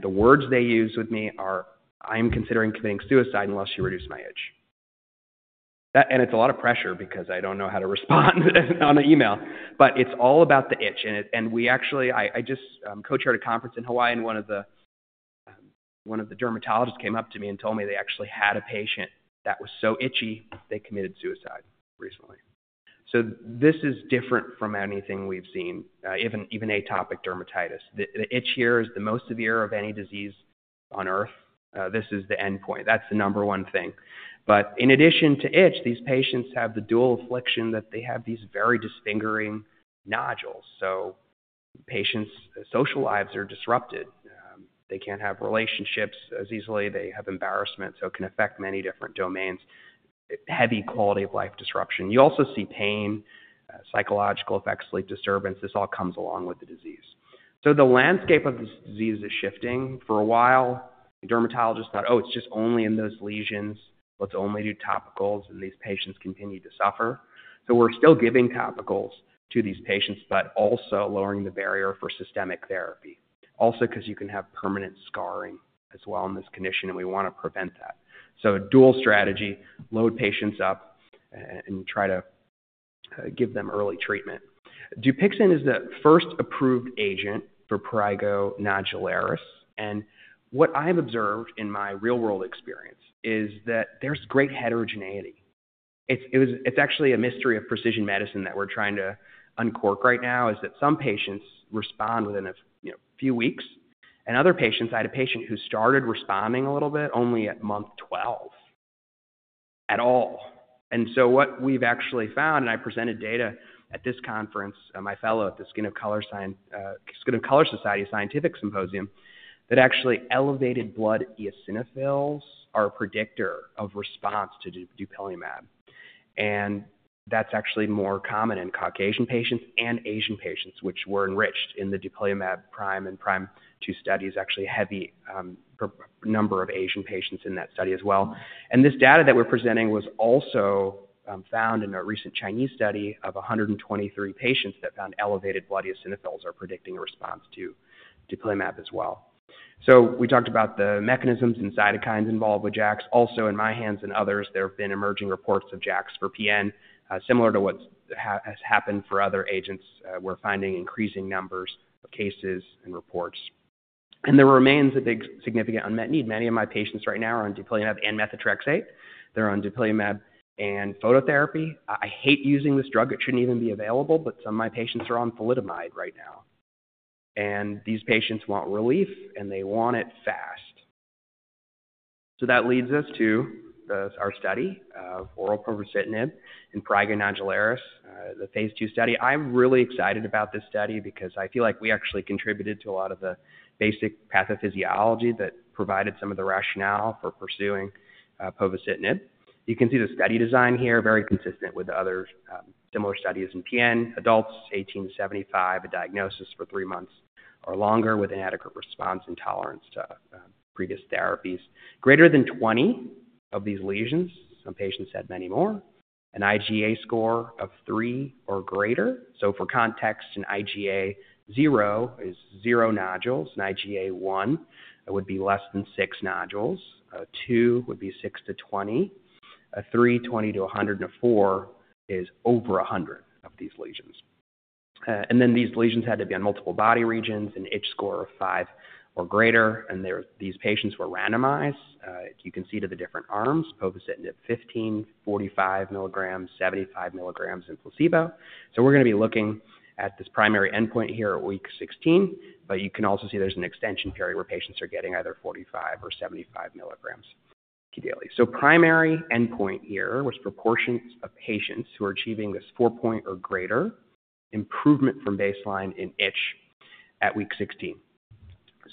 The words they use with me are, "I'm considering committing suicide unless you reduce my itch." It's a lot of pressure because I don't know how to respond on an email, but it's all about the itch. Actually, I just co-chaired a conference in Hawaii, and one of the dermatologists came up to me and told me they actually had a patient that was so itchy they committed suicide recently. This is different from anything we've seen, even atopic dermatitis. The itch here is the most severe of any disease on Earth. This is the endpoint. That's the number one thing. But in addition to itch, these patients have the dual affliction that they have these very disfiguring nodules. Patients' social lives are disrupted. They can't have relationships as easily. They have embarrassment. So it can affect many different domains, heavy quality of life disruption. You also see pain, psychological effects, sleep disturbance. This all comes along with the disease. So the landscape of this disease is shifting. For a while, dermatologists thought, "Oh, it's just only in those lesions. Let's only do topicals." And these patients continue to suffer. So we're still giving topicals to these patients but also lowering the barrier for systemic therapy, also because you can have permanent scarring as well in this condition, and we want to prevent that. So dual strategy, load patients up and try to give them early treatment. Dupixent is the first approved agent for prurigo nodularis. And what I've observed in my real-world experience is that there's great heterogeneity. It's actually a mystery of precision medicine that we're trying to uncork right now, is that some patients respond within a few weeks. Other patients I had a patient who started responding a little bit only at month 12 at all. So what we've actually found, and I presented data at this conference, my fellow at the Skin of Color Society Scientific Symposium, that actually elevated blood eosinophils are a predictor of response to dupilumab. And that's actually more common in Caucasian patients and Asian patients, which were enriched in the dupilumab prime and prime two studies, actually a heavy number of Asian patients in that study as well. And this data that we're presenting was also found in a recent Chinese study of 123 patients that found elevated blood eosinophils are predicting a response to dupilumab as well. So we talked about the mechanisms and cytokines involved with JAKs. Also in my hands and others, there have been emerging reports of JAKs for PN similar to what has happened for other agents. We're finding increasing numbers of cases and reports. And there remains a big significant unmet need. Many of my patients right now are on dupilumab and methotrexate. They're on dupilumab and phototherapy. I hate using this drug. It shouldn't even be available, but some of my patients are on thalidomide right now. And these patients want relief, and they want it fast. So that leads us to our study of oral povorcitinib and prurigo nodularis, the phase 2 study. I'm really excited about this study because I feel like we actually contributed to a lot of the basic pathophysiology that provided some of the rationale for pursuing povorcitinib. You can see the study design here, very consistent with the other similar studies in PN, adults 18-75, a diagnosis for 3 months or longer with inadequate response and tolerance to previous therapies. Greater than 20 of these lesions, some patients had many more, an IGA score of 3 or greater. So for context, an IGA 0 is 0 nodules. An IGA 1 would be less than 6 nodules. A 2 would be 6-20. A 3, 20-104 is over 100 of these lesions. And then these lesions had to be on multiple body regions, an itch score of 5 or greater. And these patients were randomized. You can see to the different arms, povorcitinib 15 mg, 45 mg, 75 mg, and placebo. So we're going to be looking at this primary endpoint here at week 16. But you can also see there's an extension period where patients are getting either 45 or 75 milligrams daily. So primary endpoint here was proportions of patients who are achieving this 4-point or greater improvement from baseline in itch at week 16.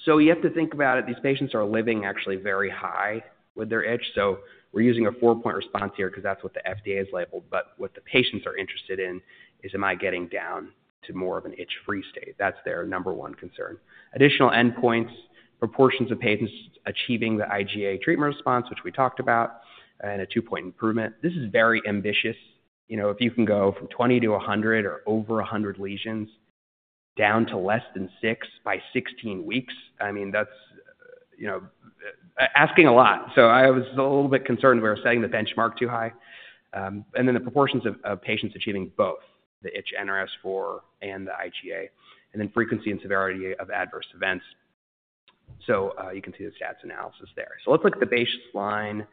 So you have to think about it. These patients are living actually very high with their itch. So we're using a 4-point response here because that's what the FDA is labeled. But what the patients are interested in is, am I getting down to more of an itch-free state? That's their number one concern. Additional endpoints, proportions of patients achieving the IGA treatment response, which we talked about, and a 2-point improvement. This is very ambitious. If you can go from 20 to 100 or over 100 lesions down to less than 6 by 16 weeks, I mean, that's asking a lot. I was a little bit concerned we were setting the benchmark too high. Then the proportions of patients achieving both the itch NRS4 and the IGA, and then frequency and severity of adverse events. You can see the stats analysis there. Let's look at the baseline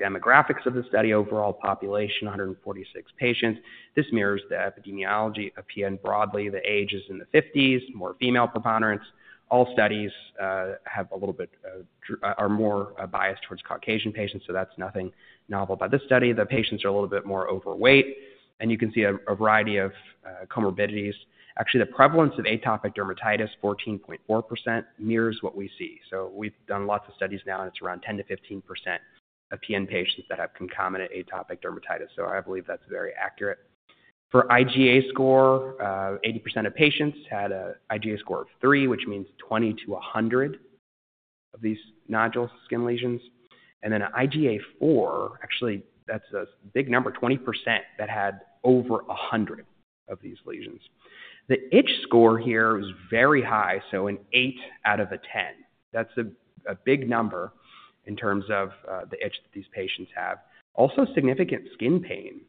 demographics of the study, overall population, 146 patients. This mirrors the epidemiology of PN broadly. The age is in the 50s, more female preponderance. All studies are a little bit more biased towards Caucasian patients, so that's nothing novel about this study. The patients are a little bit more overweight, and you can see a variety of comorbidities. Actually, the prevalence of atopic dermatitis, 14.4%, mirrors what we see. We've done lots of studies now, and it's around 10%-15% of PN patients that have concomitant atopic dermatitis. I believe that's very accurate. For IGA score, 80% of patients had an IGA score of 3, which means 20-100 of these nodules, skin lesions. Then an IGA 4, actually that's a big number, 20% that had over 100 of these lesions. The itch score here was very high, so an 8 out of 10. That's a big number in terms of the itch that these patients have. Also significant skin pain,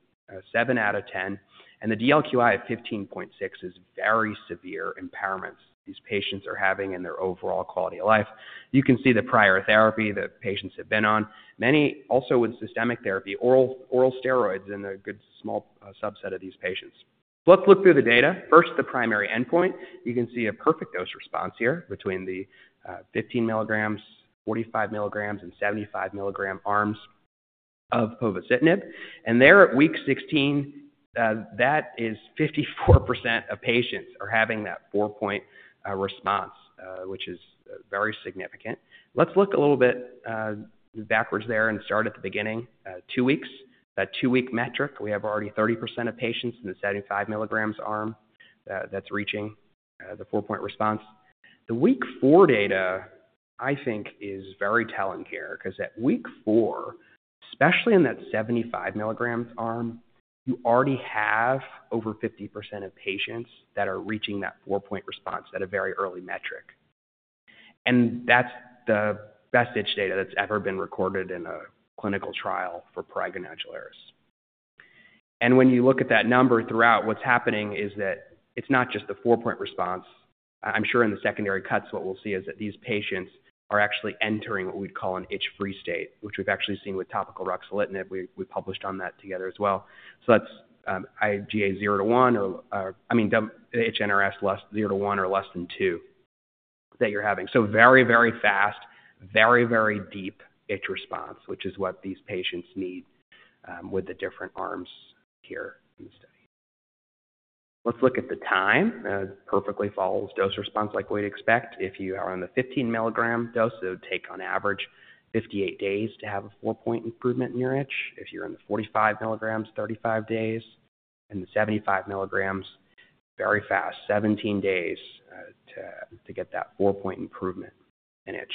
7 out of 10. The DLQI of 15.6 is very severe impairments these patients are having in their overall quality of life. You can see the prior therapy that patients have been on, many also with systemic therapy, oral steroids in a good small subset of these patients. Let's look through the data. First, the primary endpoint. You can see a perfect dose response here between the 15 milligrams, 45 milligrams, and 75 milligram arms of povorcitinib. And there at week 16, that is 54% of patients are having that 4-point response, which is very significant. Let's look a little bit backwards there and start at the beginning, 2 weeks, that 2-week metric. We have already 30% of patients in the 75 milligrams arm that's reaching the 4-point response. The week 4 data, I think, is very telling here because at week 4, especially in that 75 milligrams arm, you already have over 50% of patients that are reaching that 4-point response at a very early metric. And that's the best itch data that's ever been recorded in a clinical trial for prurigo nodularis. When you look at that number throughout, what's happening is that it's not just the 4-point response. I'm sure in the secondary cuts what we'll see is that these patients are actually entering what we'd call an itch-free state, which we've actually seen with topical ruxolitinib. We published on that together as well. So that's IGA 0 to 1 or, I mean, the itch NRS 0 to 1 or less than 2 that you're having. So very, very fast, very, very deep itch response, which is what these patients need with the different arms here in the study. Let's look at the time. It perfectly follows dose-response like we'd expect. If you are on the 15-mg dose, it would take on average 58 days to have a 4-point improvement in your itch. If you're in the 45-mg, 35 days. The 75 mg, very fast, 17 days to get that 4-point improvement in itch.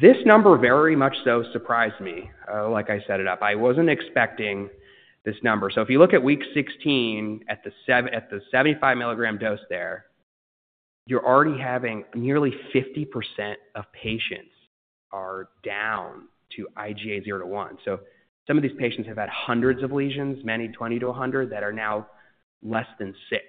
This number very much so surprised me like I set it up. I wasn't expecting this number. So if you look at week 16 at the 75-mg dose there, you're already having nearly 50% of patients are down to IGA 0-1. So some of these patients have had hundreds of lesions, many 20-100 that are now less than six.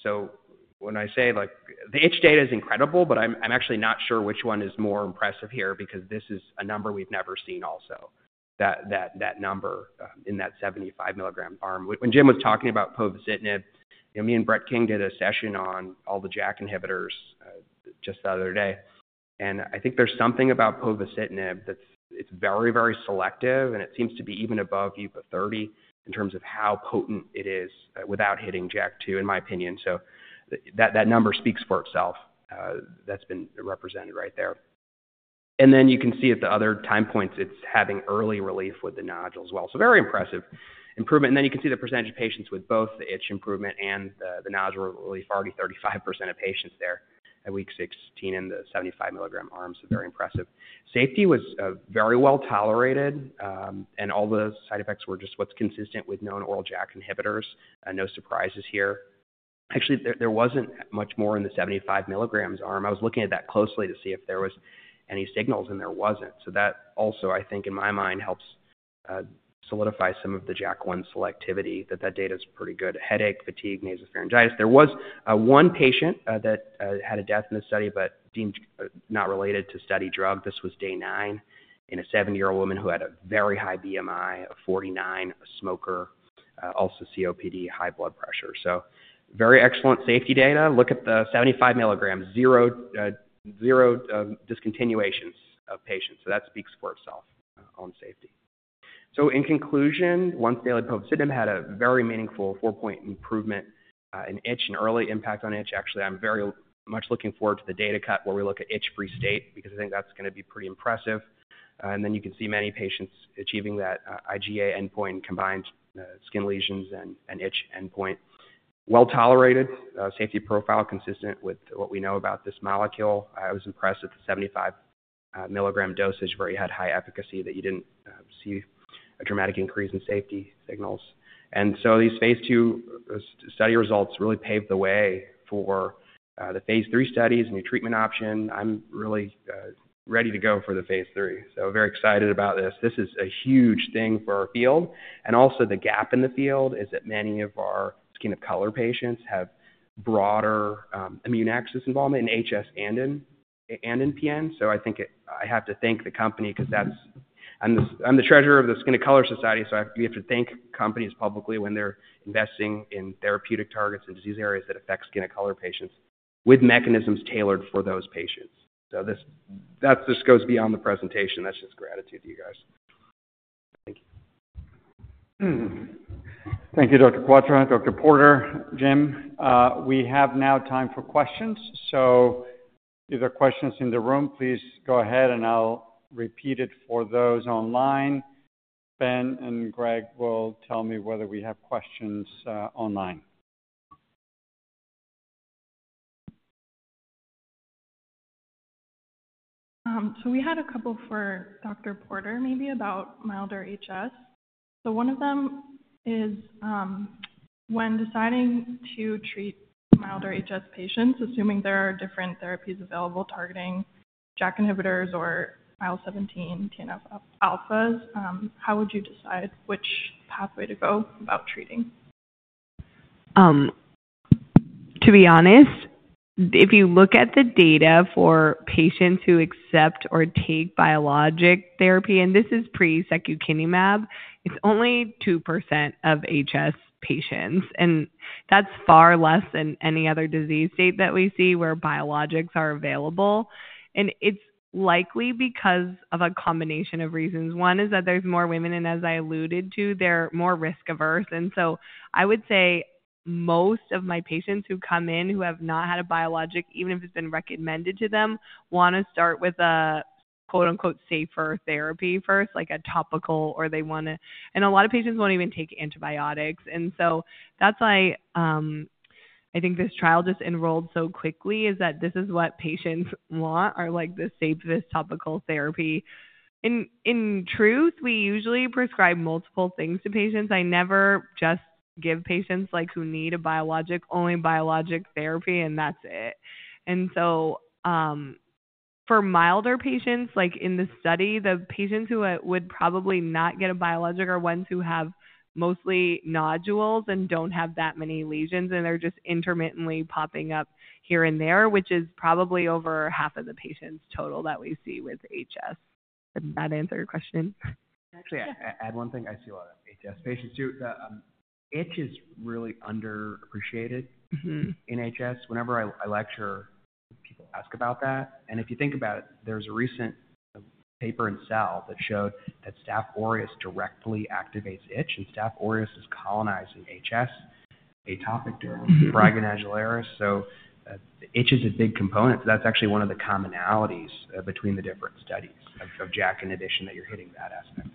So when I say like the itch data is incredible, but I'm actually not sure which one is more impressive here because this is a number we've never seen also, that number in that 75-mg arm. When Jim was talking about povorcitinib, me and Bret King did a session on all the JAK inhibitors just the other day. I think there's something about povorcitinib that it's very, very selective, and it seems to be even above upadacitinib in terms of how potent it is without hitting JAK2, in my opinion. So that number speaks for itself that's been represented right there. And then you can see at the other time points it's having early relief with the nodules as well. So very impressive improvement. And then you can see the percentage of patients with both the itch improvement and the nodule relief, already 35% of patients there at week 16 in the 75 milligram arms. So very impressive. Safety was very well tolerated, and all the side effects were just what's consistent with known oral JAK inhibitors. No surprises here. Actually, there wasn't much more in the 75 milligrams arm. I was looking at that closely to see if there was any signals, and there wasn't. So that also, I think, in my mind helps solidify some of the JAK1 selectivity that that data is pretty good: headache, fatigue, nasopharyngitis. There was one patient that had a death in this study but deemed not related to study drug. This was day 9 in a 70-year-old woman who had a very high BMI of 49, a smoker, also COPD, high blood pressure. So very excellent safety data. Look at the 75 mg, zero discontinuations of patients. So that speaks for itself on safety. So in conclusion, once daily povorcitinib had a very meaningful four-point improvement in itch, an early impact on itch. Actually, I'm very much looking forward to the data cut where we look at itch-free state because I think that's going to be pretty impressive. And then you can see many patients achieving that IGA endpoint combined skin lesions and itch endpoint. Well tolerated, safety profile consistent with what we know about this molecule. I was impressed at the 75 milligram dosage where you had high efficacy that you didn't see a dramatic increase in safety signals. And so these phase 2 study results really paved the way for the phase 3 studies and new treatment option. I'm really ready to go for the phase 3. So very excited about this. This is a huge thing for our field. And also the gap in the field is that many of our Skin of Color patients have broader immune axis involvement in HS and in PN. So I think I have to thank the company because that's, I'm the treasurer of the Skin of Color Society, so you have to thank companies publicly when they're investing in therapeutic targets and disease areas that affect Skin of Color patients with mechanisms tailored for those patients. So this just goes beyond the presentation. That's just gratitude to you guys. Thank you. Thank you, Dr. Kwatra, Dr. Porter, Jim. We have now time for questions. So if there are questions in the room, please go ahead, and I'll repeat it for those online. Ben and Greg will tell me whether we have questions online. We had a couple for Dr. Porter maybe about milder HS. One of them is when deciding to treat milder HS patients, assuming there are different therapies available targeting JAK inhibitors or IL-17, TNF alphas, how would you decide which pathway to go about treating? To be honest, if you look at the data for patients who accept or take biologic therapy, and this is pre-secukinumab, it's only 2% of HS patients. That's far less than any other disease state that we see where biologics are available. It's likely because of a combination of reasons. One is that there's more women, and as I alluded to, they're more risk averse. So I would say most of my patients who come in who have not had a biologic, even if it's been recommended to them, want to start with a "safer" therapy first, like a topical, or they want to and a lot of patients won't even take antibiotics. That's why I think this trial just enrolled so quickly is that this is what patients want, are like this safe, this topical therapy. In truth, we usually prescribe multiple things to patients. I never just give patients who need a biologic only biologic therapy, and that's it. And so for milder patients, like in the study, the patients who would probably not get a biologic are ones who have mostly nodules and don't have that many lesions, and they're just intermittently popping up here and there, which is probably over half of the patients total that we see with HS. Did that answer your question? Actually, I add one thing. I see a lot of HS patients too. The itch is really underappreciated in HS. Whenever I lecture, people ask about that. And if you think about it, there's a recent paper in Cell that showed that Staph aureus directly activates itch, and Staph aureus is colonizing HS, atopic dermatitis, Prurigo nodularis. So the itch is a big component. So that's actually one of the commonalities between the different studies of JAK in addition that you're hitting that aspect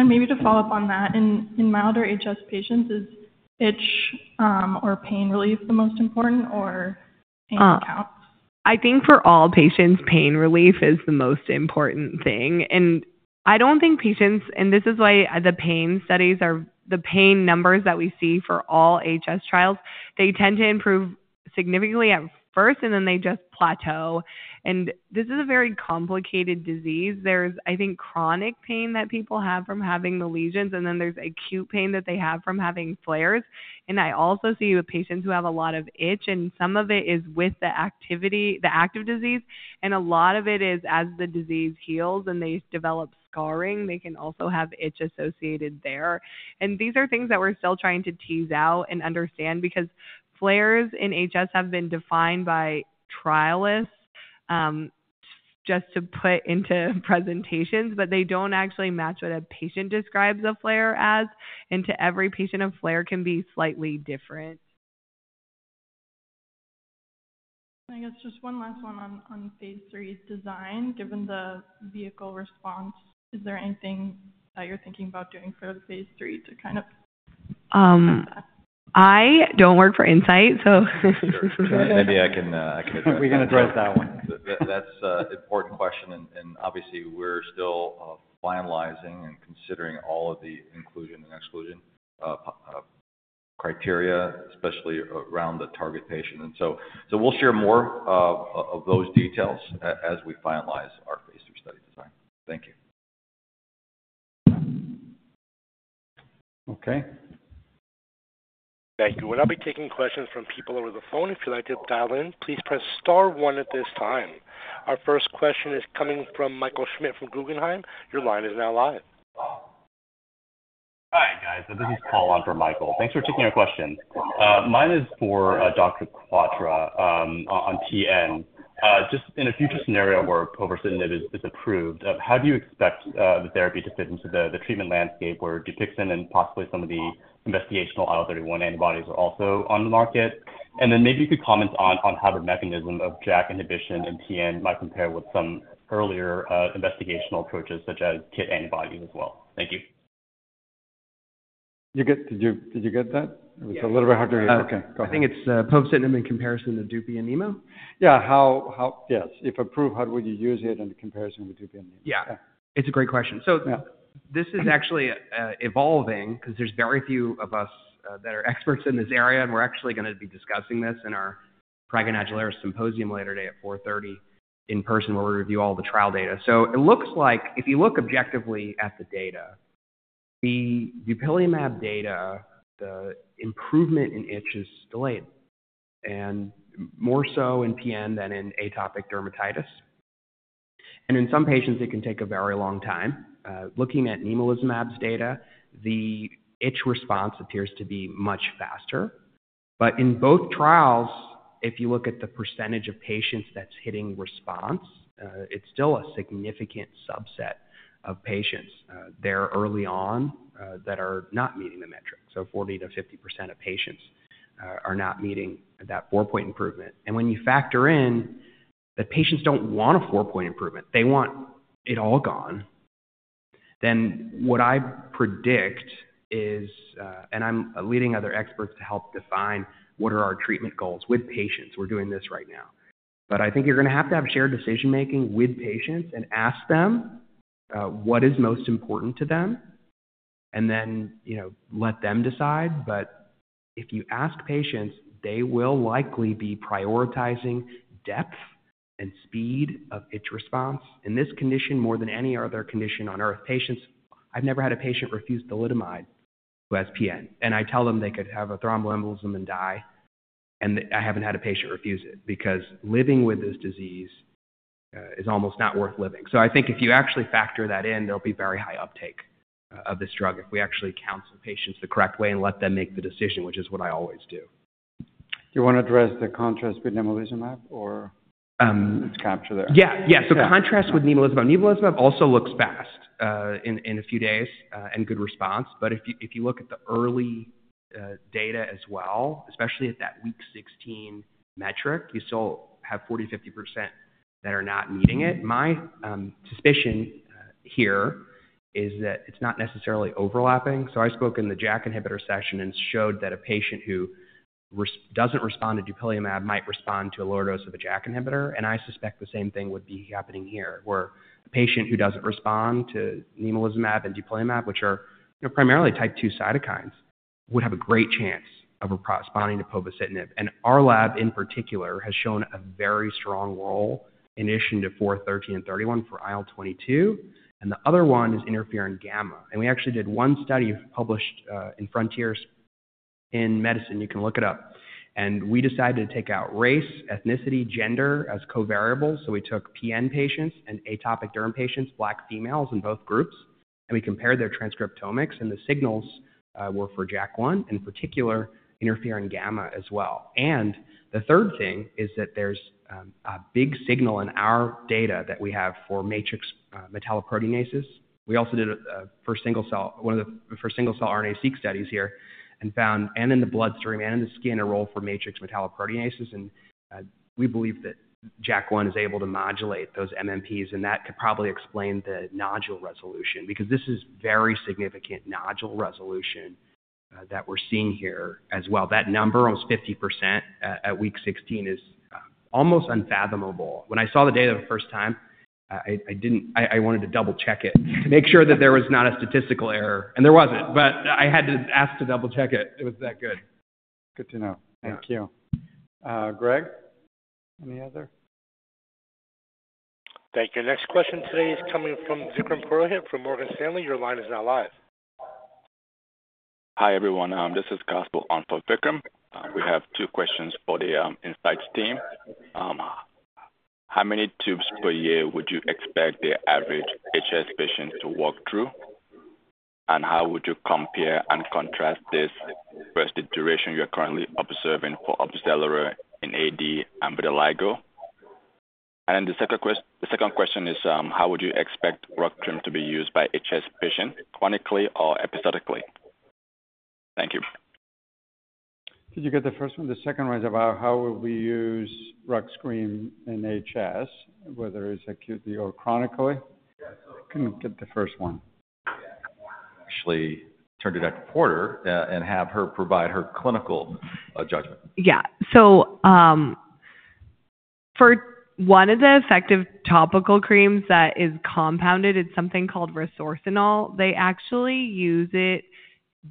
as well. Maybe to follow up on that, in milder HS patients, is itch or pain relief the most important, or any counts? I think for all patients, pain relief is the most important thing. I don't think patients and this is why the pain studies are the pain numbers that we see for all HS trials. They tend to improve significantly at first, and then they just plateau. This is a very complicated disease. There's, I think, chronic pain that people have from having the lesions, and then there's acute pain that they have from having flares. I also see with patients who have a lot of itch, and some of it is with the activity, the active disease, and a lot of it is as the disease heals and they develop scarring. They can also have itch associated there. These are things that we're still trying to tease out and understand because flares in HS have been defined by trialists just to put into presentations, but they don't actually match what a patient describes a flare as. To every patient, a flare can be slightly different. I guess just one last one on phase 3 design. Given the vehicle response, is there anything that you're thinking about doing for the phase 3 to kind of? I don't work for Incyte, so. Maybe I can address that. We're going to address that one. That's an important question, and obviously, we're still finalizing and considering all of the inclusion and exclusion criteria, especially around the target patient. And so we'll share more of those details as we finalize our phase 3 study design. Thank you. Okay. Thank you. We'll now be taking questions from people over the phone. If you'd like to dial in, please press star one at this time. Our first question is coming from Michael Schmidt from Guggenheim. Your line is now live. Hi, guys. This is Paul from Michael. Thanks for taking our question. My question is for Dr. Kwatra on PN. Just in a future scenario where povorcitinib is approved, how do you expect the therapy to fit into the treatment landscape where Dupixent and possibly some of the investigational IL-31 antibodies are also on the market? And then maybe you could comment on how the mechanism of JAK inhibition in PN might compare with some earlier investigational approaches such as kit antibodies as well. Thank you. Did you get that? It was a little bit hard to hear. Okay. Go ahead. I think it's povorcitinib in comparison to dupilumab. Yeah. Yes. If approved, how would you use it in comparison with Dupixent? Yeah. It's a great question. So this is actually evolving because there's very few of us that are experts in this area, and we're actually going to be discussing this in our prurigo nodularis symposium later today at 4:30 P.M. in person where we review all the trial data. So it looks like if you look objectively at the data, the dupilumab data, the improvement in itch is delayed, and more so in PN than in atopic dermatitis. And in some patients, it can take a very long time. Looking at nemolizumab's data, the itch response appears to be much faster. But in both trials, if you look at the percentage of patients that's hitting response, it's still a significant subset of patients there early on that are not meeting the metric. So 40%-50% of patients are not meeting that 4-point improvement. When you factor in that patients don't want a 4-point improvement, they want it all gone, then what I predict is and I'm leading other experts to help define what are our treatment goals with patients. We're doing this right now. But I think you're going to have to have shared decision making with patients and ask them what is most important to them, and then let them decide. But if you ask patients, they will likely be prioritizing depth and speed of itch response in this condition more than any other condition on earth. Patients, I've never had a patient refuse thalidomide who has TN, and I tell them they could have a thromboembolism and die, and I haven't had a patient refuse it because living with this disease is almost not worth living. I think if you actually factor that in, there'll be very high uptake of this drug if we actually counsel patients the correct way and let them make the decision, which is what I always do. Do you want to address the contrast with nemolizumab or its capture there? Yeah. Yeah. So, contrast with nemolizumab. Nemolizumab also looks fast in a few days and good response. But if you look at the early data as well, especially at that week 16 metric, you still have 40%-50% that are not meeting it. My suspicion here is that it's not necessarily overlapping. So I spoke in the JAK inhibitor session and showed that a patient who doesn't respond to dupilumab might respond to a lower dose of a JAK inhibitor, and I suspect the same thing would be happening here where a patient who doesn't respond to nemolizumab and dupilumab, which are primarily type two cytokines, would have a great chance of responding to povorcitinib. And our lab in particular has shown a very strong role in addition to IL-4/13 and IL-31 for IL-22, and the other one is interferon gamma. We actually did one study published in Frontiers in Medicine. You can look it up. We decided to take out race, ethnicity, gender as covariates. So we took TN patients and atopic derm patients, black females in both groups, and we compared their transcriptomics, and the signals were for JAK1, in particular interferon gamma as well. The third thing is that there's a big signal in our data that we have for matrix metalloproteinases. We also did one of the first single cell RNA-seq studies here and found and in the bloodstream and in the skin, a role for matrix metalloproteinases. We believe that JAK1 is able to modulate those MMPs, and that could probably explain the nodule resolution because this is very significant nodule resolution that we're seeing here as well. That number, almost 50% at week 16, is almost unfathomable. When I saw the data the first time, I didn't. I wanted to double check it to make sure that there was not a statistical error, and there wasn't, but I had to ask to double check it. It was that good. Good to know. Thank you. Greg? Any other? Thank you. Next question today is coming from Vikram Purohit from Morgan Stanley. Your line is now live. Hi, everyone. This is a question from Vikram. We have two questions for the Insights team. How many tubes per year would you expect the average HS patient to go through, and how would you compare and contrast this versus the duration you're currently observing for Opzelura in AD and vitiligo? And then the second question is, how would you expect rux cream to be used by HS patient chronically or episodically? Thank you. Did you get the first one? The second one is about how will we use Rux cream in HS, whether it's acutely or chronically? Couldn't get the first one. Actually, turn it over to Porter and have her provide her clinical judgment. Yeah. So for one of the effective topical creams that is compounded, it's something called Resorcinol. They actually use it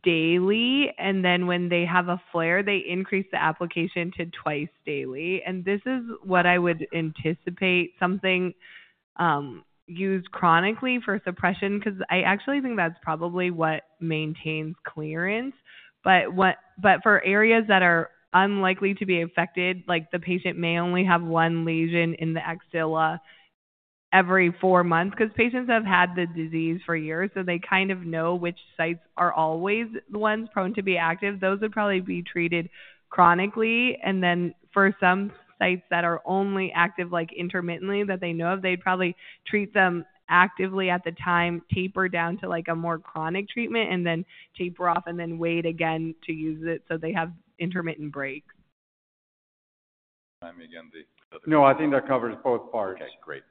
daily, and then when they have a flare, they increase the application to twice daily. And this is what I would anticipate, something used chronically for suppression because I actually think that's probably what maintains clearance. But for areas that are unlikely to be affected, like the patient may only have one lesion in the axilla every four months because patients have had the disease for years, so they kind of know which sites are always the ones prone to be active. Those would probably be treated chronically. And then for some sites that are only active intermittently that they know of, they'd probably treat them actively at the time, taper down to a more chronic treatment, and then taper off, and then wait again to use it so they have intermittent breaks. Tell me again the other. No, I think that covers both parts. Okay. Great.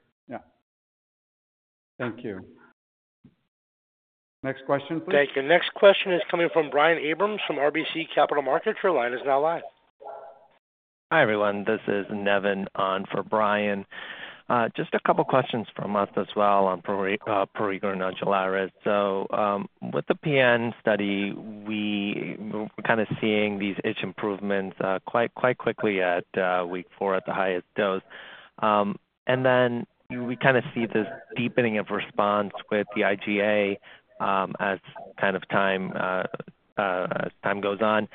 Yeah. Thank you. Next question, please. Thank you. Next question is coming from Brian Abrahams from RBC Capital Markets. Your line is now live. Hi, everyone. This is Nevin on for Brian. Just a couple questions from us as well on prurigo nodularis. So with the PN study, we're kind of seeing these itch improvements quite quickly at week four at the highest dose. And then we kind of see this deepening of response with the IGA as kind of time goes on.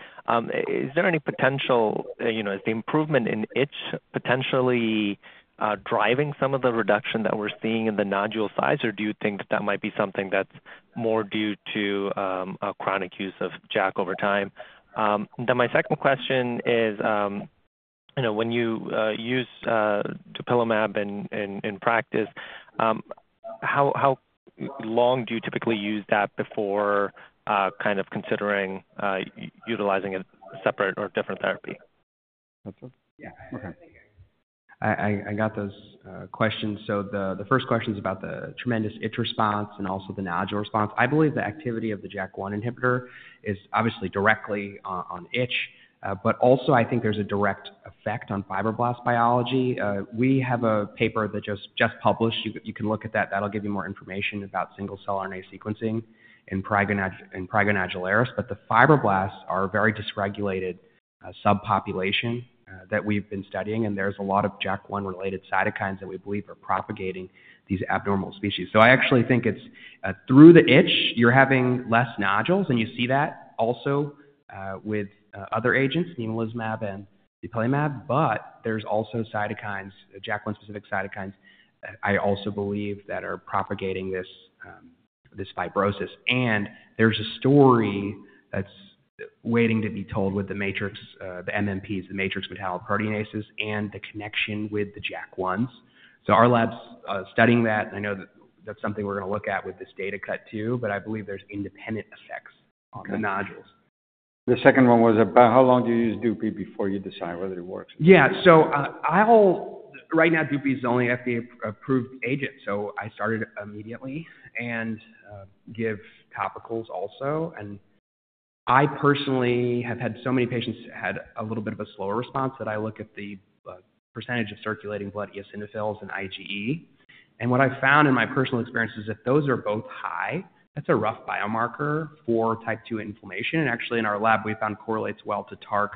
Is there any potential is the improvement in itch potentially driving some of the reduction that we're seeing in the nodule size, or do you think that that might be something that's more due to chronic use of JAK over time? And then my second question is, when you use dupilumab in practice, how long do you typically use that before kind of considering utilizing a separate or different therapy? That's it. Yeah. Okay. I got those questions. So the first question is about the tremendous itch response and also the nodule response. I believe the activity of the JAK1 inhibitor is obviously directly on itch, but also I think there's a direct effect on fibroblast biology. We have a paper that just published. You can look at that. That'll give you more information about single cell RNA sequencing in prurigo nodularis. But the fibroblasts are a very dysregulated subpopulation that we've been studying, and there's a lot of JAK1-related cytokines that we believe are propagating these abnormal species. So I actually think it's through the itch, you're having less nodules, and you see that also with other agents, nemolizumab and dupilumab, but there's also cytokines, JAK1-specific cytokines, I also believe that are propagating this fibrosis. There's a story that's waiting to be told with the matrix, the MMPs, the matrix metalloproteinases, and the connection with the JAK1s. Our lab's studying that, and I know that's something we're going to look at with this data cut too, but I believe there's independent effects on the nodules. The second one was about how long do you use dupi before you decide whether it works? Yeah. So right now, dupi is the only FDA-approved agent, so I started immediately and give topicals also. And I personally have had so many patients had a little bit of a slower response that I look at the percentage of circulating blood eosinophils and IgE. And what I found in my personal experience is if those are both high, that's a rough biomarker for type two inflammation. And actually, in our lab, we found it correlates well to TARC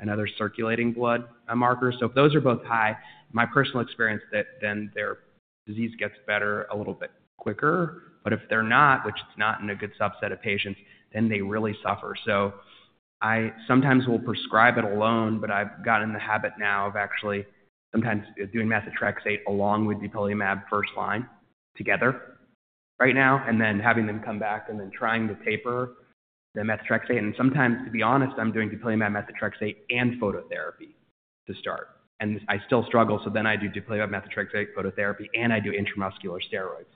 and other circulating blood markers. So if those are both high, my personal experience, then their disease gets better a little bit quicker. But if they're not, which it's not in a good subset of patients, then they really suffer. So I sometimes will prescribe it alone, but I've gotten in the habit now of actually sometimes doing methotrexate along with dupilumab first line together right now and then having them come back and then trying to taper the methotrexate. And sometimes, to be honest, I'm doing dupilumab, methotrexate, and phototherapy to start. And I still struggle, so then I do dupilumab, methotrexate, phototherapy, and I do intramuscular steroids.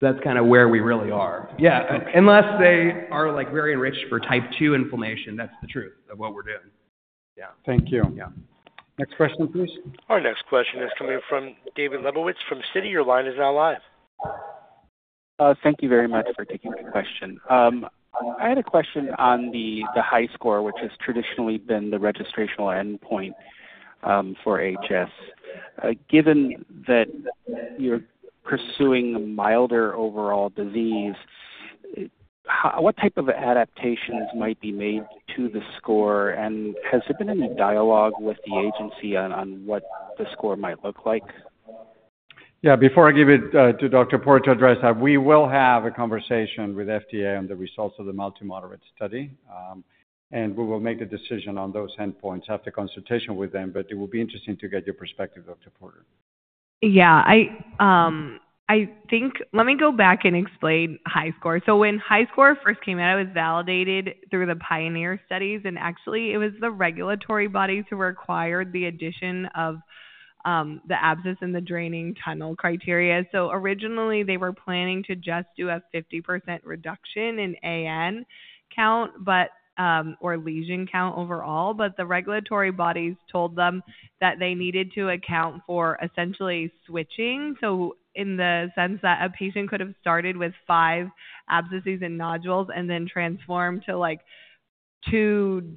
So that's kind of where we really are. Yeah. Unless they are very enriched for type two inflammation, that's the truth of what we're doing. Yeah. Thank you. Next question, please. Our next question is coming from David Lebowitz from Citi. Your line is now live. Thank you very much for taking my question. I had a question on the HiSCR, which has traditionally been the registrational endpoint for HS. Given that you're pursuing a milder overall disease, what type of adaptations might be made to the score? Has there been any dialogue with the agency on what the score might look like? Yeah. Before I give it to Dr. Porter to address that, we will have a conversation with FDA on the results of the multi-moderate study, and we will make the decision on those endpoints after consultation with them. But it will be interesting to get your perspective, Dr. Porter. Yeah. Let me go back and explain HiSCR. So when HiSCR first came out, it was validated through the Pioneer studies, and actually, it was the regulatory bodies who required the addition of the abscess and the draining tunnel criteria. So originally, they were planning to just do a 50% reduction in AN count or lesion count overall, but the regulatory bodies told them that they needed to account for essentially switching, so in the sense that a patient could have started with five abscesses and nodules and then transformed to two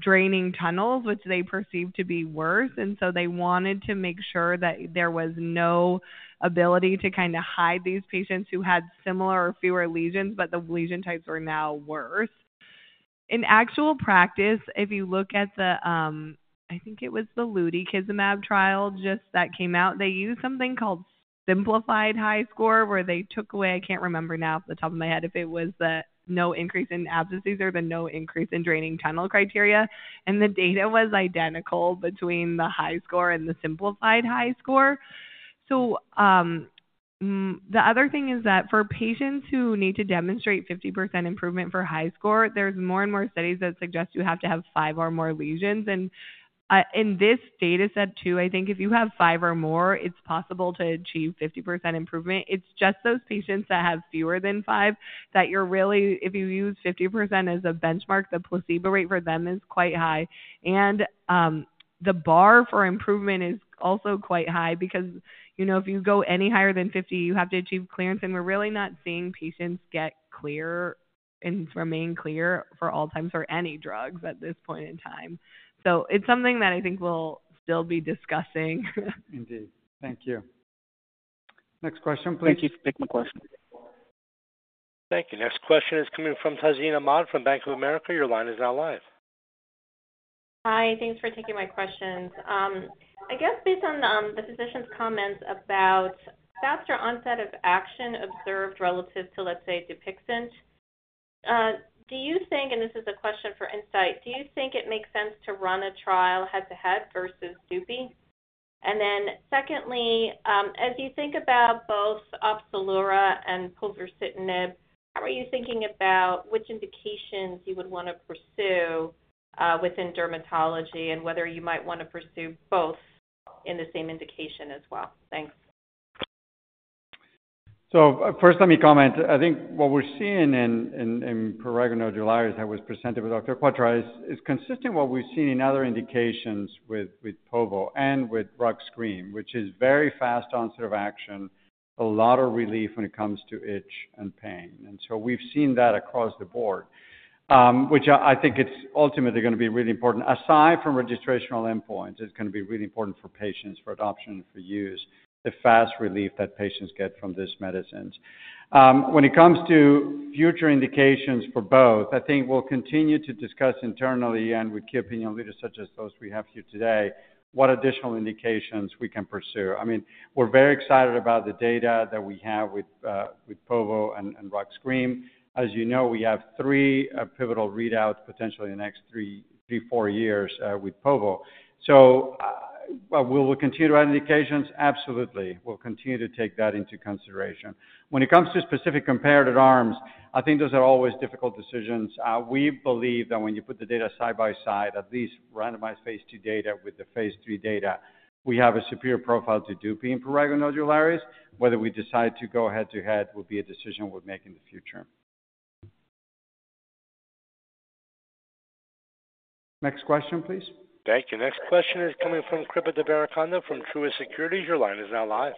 draining tunnels, which they perceived to be worse. And so they wanted to make sure that there was no ability to kind of hide these patients who had similar or fewer lesions, but the lesion types were now worse. In actual practice, if you look at the—I think it was the lutikizumab trial that just came out—they used something called simplified HiSCR where they took away I can't remember now off the top of my head if it was the no increase in abscesses or the no increase in draining tunnel criteria. And the data was identical between the HiSCR and the simplified HiSCR. So the other thing is that for patients who need to demonstrate 50% improvement for HiSCR, there's more and more studies that suggest you have to have five or more lesions. And in this data set too, I think if you have five or more, it's possible to achieve 50% improvement. It's just those patients that have fewer than five that you're really if you use 50% as a benchmark, the placebo rate for them is quite high. And the bar for improvement is also quite high because if you go any higher than 50, you have to achieve clearance. And we're really not seeing patients get clear and remain clear for all times for any drugs at this point in time. So it's something that I think we'll still be discussing. Indeed. Thank you. Next question, please. Thank you. Take my question. Thank you. Next question is coming from Tazeen Ahmad from Bank of America. Your line is now live. Hi. Thanks for taking my questions. I guess based on the physician's comments about faster onset of action observed relative to, let's say, Dupixent, do you think and this is a question for Incyte. Do you think it makes sense to run a trial head-to-head versus dupi? And then secondly, as you think about both Opzelura and povorcitinib, how are you thinking about which indications you would want to pursue within dermatology and whether you might want to pursue both in the same indication as well? Thanks. So first, let me comment. I think what we're seeing in Prurigo nodularis that was presented by Dr. Kwatra is consistent with what we've seen in other indications with Povo and with rux cream, which is very fast onset of action, a lot of relief when it comes to itch and pain. And so we've seen that across the board, which I think it's ultimately going to be really important. Aside from registrational endpoints, it's going to be really important for patients, for adoption, for use, the fast relief that patients get from these medicines. When it comes to future indications for both, I think we'll continue to discuss internally and with key opinion leaders such as those we have here today what additional indications we can pursue. I mean, we're very excited about the data that we have with Povo and rux cream. As you know, we have 3 pivotal readouts potentially in the next 3-4 years with Povo. So will we continue to write indications? Absolutely. We'll continue to take that into consideration. When it comes to specific comparative arms, I think those are always difficult decisions. We believe that when you put the data side by side, at least randomized phase 2 data with the phase 3 data, we have a superior profile to dupi in prurigo nodularis. Whether we decide to go head-to-head will be a decision we'll make in the future. Next question, please. Thank you. Next question is coming from Kripit Devarakonda from Truist Securities. Your line is now live.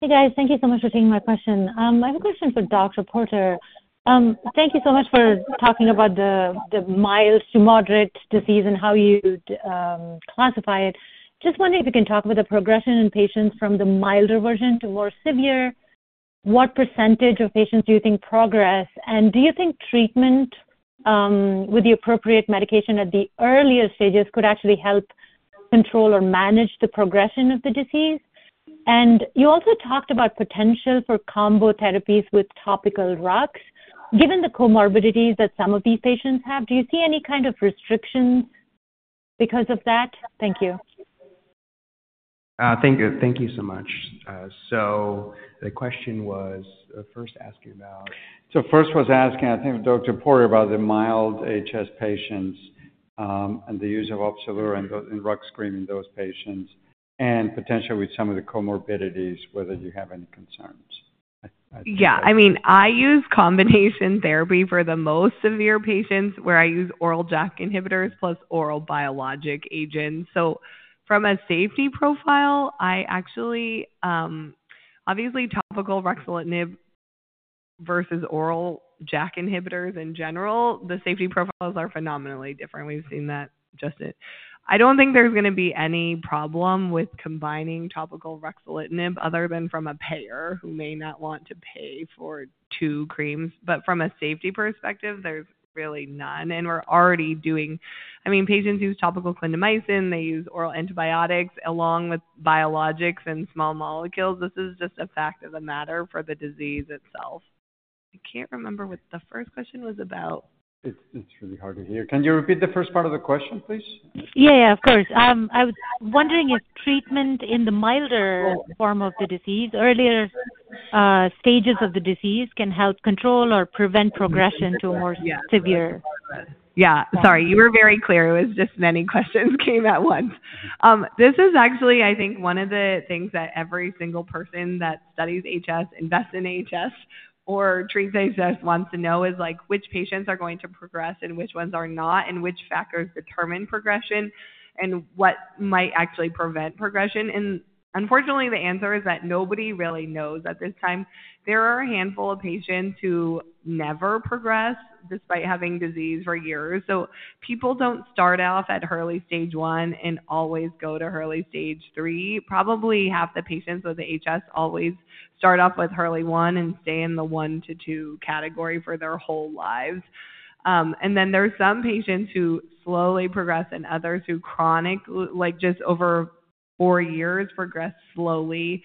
Hey, guys. Thank you so much for taking my question. I have a question for Dr. Porter. Thank you so much for talking about the mild to moderate disease and how you'd classify it. Just wondering if you can talk about the progression in patients from the milder version to more severe. What percentage of patients do you think progress? And do you think treatment with the appropriate medication at the earliest stages could actually help control or manage the progression of the disease? And you also talked about potential for combo therapies with topical JAKs. Given the comorbidities that some of these patients have, do you see any kind of restrictions because of that? Thank you. Thank you so much. So the question was first asking, I think, Dr. Porter about the mild HS patients and the use of Opzelura and rux cream in those patients and potentially with some of the comorbidities, whether you have any concerns. Yeah. I mean, I use combination therapy for the most severe patients where I use oral JAK inhibitors plus oral biologic agents. So from a safety profile, I actually obviously, topical ruxolitinib versus oral JAK inhibitors in general, the safety profiles are phenomenally different. We've seen that just in I don't think there's going to be any problem with combining topical ruxolitinib other than from a payer who may not want to pay for two creams. But from a safety perspective, there's really none. And we're already doing I mean, patients use topical clindamycin. They use oral antibiotics along with biologics and small molecules. This is just a fact of the matter for the disease itself. I can't remember what the first question was about. It's really hard to hear. Can you repeat the first part of the question, please? Yeah, yeah. Of course. I was wondering if treatment in the milder form of the disease, earlier stages of the disease, can help control or prevent progression to a more severe? Yeah. Sorry. You were very clear. It was just many questions came at once. This is actually, I think, one of the things that every single person that studies HS, invests in HS, or treats HS wants to know is which patients are going to progress and which ones are not and which factors determine progression and what might actually prevent progression. Unfortunately, the answer is that nobody really knows at this time. There are a handful of patients who never progress despite having disease for years. People don't start off at early stage 1 and always go to early stage 3. Probably half the patients with HS always start off with early 1 and stay in the 1 to 2 category for their whole lives. Then there's some patients who slowly progress and others who chronically just over 4 years progress slowly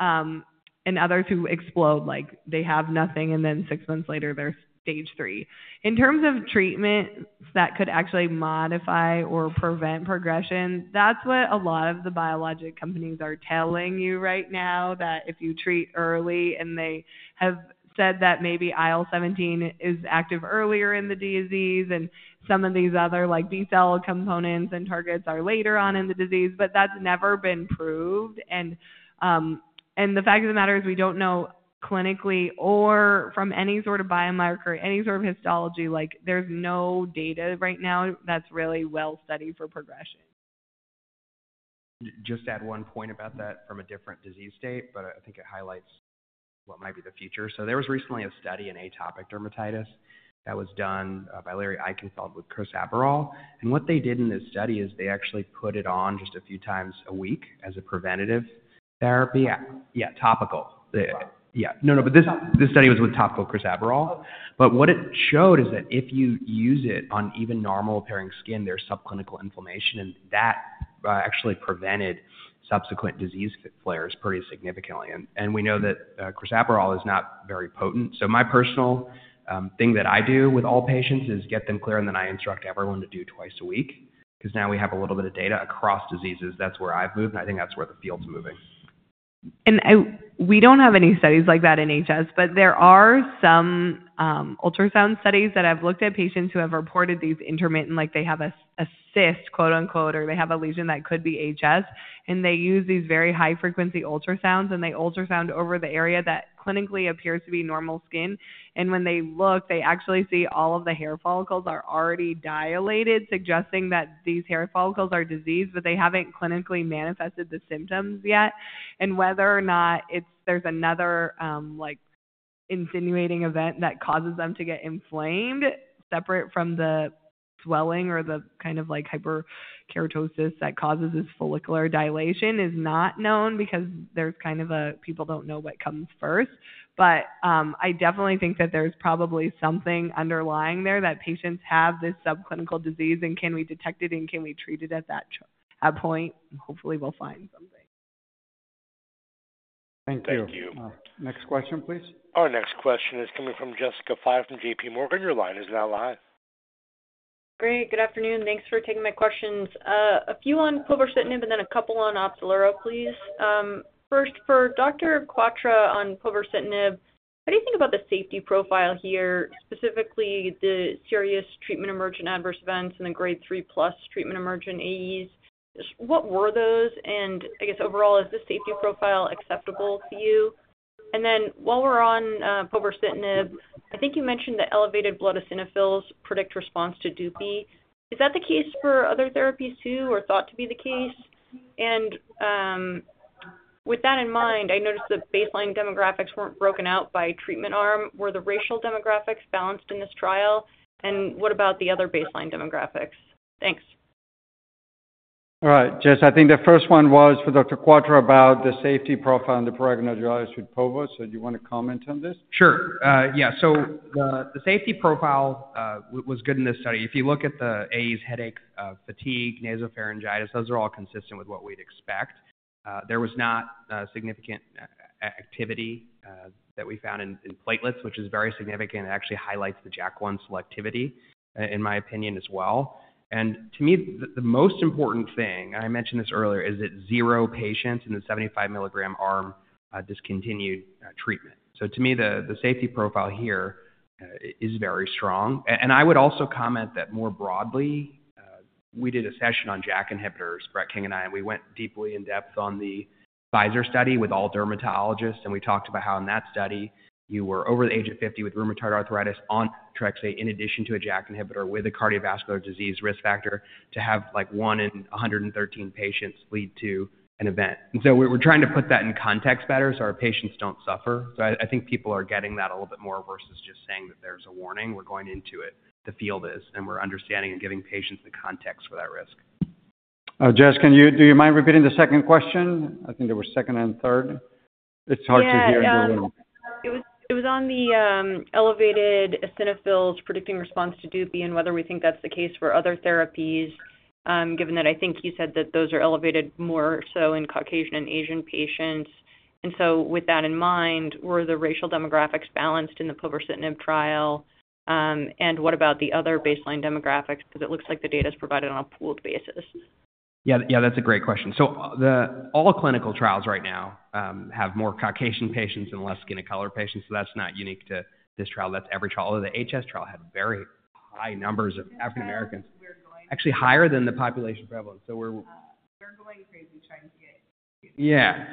and others who explode. They have nothing, and then six months later, they're stage three. In terms of treatments that could actually modify or prevent progression, that's what a lot of the biologic companies are telling you right now, that if you treat early and they have said that maybe IL-17 is active earlier in the disease and some of these other B-cell components and targets are later on in the disease. But that's never been proved. And the fact of the matter is we don't know clinically or from any sort of biomarker or any sort of histology. There's no data right now that's really well studied for progression. Just add one point about that from a different disease state, but I think it highlights what might be the future. So there was recently a study in atopic dermatitis that was done by Larry Eichenfeld with crisaborole. And what they did in this study is they actually put it on just a few times a week as a preventative therapy. Yeah. Topical. Yeah. No, no. But this study was with topical crisaborole. But what it showed is that if you use it on even normal-appearing skin, there's subclinical inflammation, and that actually prevented subsequent disease flares pretty significantly. And we know that crisaborole is not very potent. So my personal thing that I do with all patients is get them clear, and then I instruct everyone to do twice a week because now we have a little bit of data across diseases. That's where I've moved, and I think that's where the field's moving. We don't have any studies like that in HS, but there are some ultrasound studies that I've looked at patients who have reported these intermittent they have a "cyst," quote-unquote, or they have a lesion that could be HS. And when they look, they actually see all of the hair follicles are already dilated, suggesting that these hair follicles are diseased, but they haven't clinically manifested the symptoms yet. And whether or not there's another insinuating event that causes them to get inflamed separate from the swelling or the kind of hyperkeratosis that causes this follicular dilation is not known because there's kind of a people don't know what comes first. But I definitely think that there's probably something underlying there that patients have this subclinical disease. Can we detect it, and can we treat it at that point? Hopefully, we'll find something. Thank you. Thank you. Next question, please. Our next question is coming from Jessica Fye from JPMorgan. Your line is now live. Great. Good afternoon. Thanks for taking my questions. A few on povorcitinib, and then a couple on Opzelura, please. First, for Dr. Kwatra on povorcitinib, how do you think about the safety profile here, specifically the serious treatment emergent adverse events and the grade 3-plus treatment emergent AEs? What were those? And I guess overall, is the safety profile acceptable to you? And then while we're on povorcitinib, I think you mentioned that elevated blood eosinophils predict response to dupi. Is that the case for other therapies too or thought to be the case? And with that in mind, I noticed the baseline demographics weren't broken out by treatment arm. Were the racial demographics balanced in this trial? And what about the other baseline demographics? Thanks. All right. Jess, I think the first one was for Dr. Kwatra about the safety profile in the prurigo nodularis with Povo. So do you want to comment on this? Sure. Yeah. So the safety profile was good in this study. If you look at the AEs, headaches, fatigue, nasopharyngitis, those are all consistent with what we'd expect. There was not significant activity that we found in platelets, which is very significant. It actually highlights the JAK1 selectivity, in my opinion, as well. And to me, the most important thing, and I mentioned this earlier, is that 0 patients in the 75 mg arm discontinued treatment. So to me, the safety profile here is very strong. And I would also comment that more broadly, we did a session on JAK inhibitors, Bret King and I. And we went deeply in-depth on the Pfizer study with all dermatologists. We talked about how in that study, you were over the age of 50 with rheumatoid arthritis on methotrexate in addition to a JAK inhibitor with a cardiovascular disease risk factor to have 1 in 113 patients lead to an event. And so we're trying to put that in context better so our patients don't suffer. So I think people are getting that a little bit more versus just saying that there's a warning. We're going into it. The field is. And we're understanding and giving patients the context for that risk. Jess, do you mind repeating the second question? I think there was second and third. It's hard to hear in the room. Yeah. Yeah. It was on the elevated eosinophils predicting response to dupi and whether we think that's the case for other therapies, given that I think you said that those are elevated more so in Caucasian and Asian patients. So with that in mind, were the racial demographics balanced in the povorcitinib trial? And what about the other baseline demographics because it looks like the data is provided on a pooled basis? Yeah. Yeah. That's a great question. So all clinical trials right now have more Caucasian patients and less skin-of-color patients. So that's not unique to this trial. That's every trial. Although the HS trial had very high numbers of African Americans, actually higher than the population prevalence. So we're. We're going crazy trying to get. Yeah.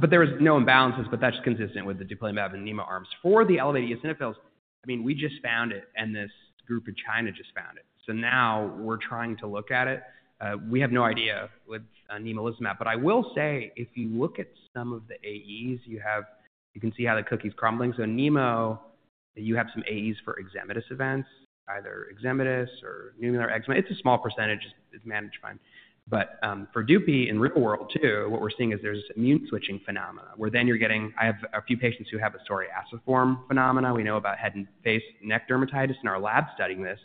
But there was no imbalances, but that's just consistent with the dupilumab and NEMO arms. For the elevated eosinophils, I mean, we just found it, and this group in China just found it. So now we're trying to look at it. We have no idea with NEMO lisinopril. But I will say if you look at some of the AEs, you can see how the cookie's crumbling. So NEMO, you have some AEs for eczematous events, either eczematous or pneumonia, or eczema. It's a small percentage. It's managed fine. But for dupi in real world too, what we're seeing is there's this immune-switching phenomena where then you're getting I have a few patients who have a psoriasiform phenomena. We know about head and face, neck dermatitis in our lab studying this.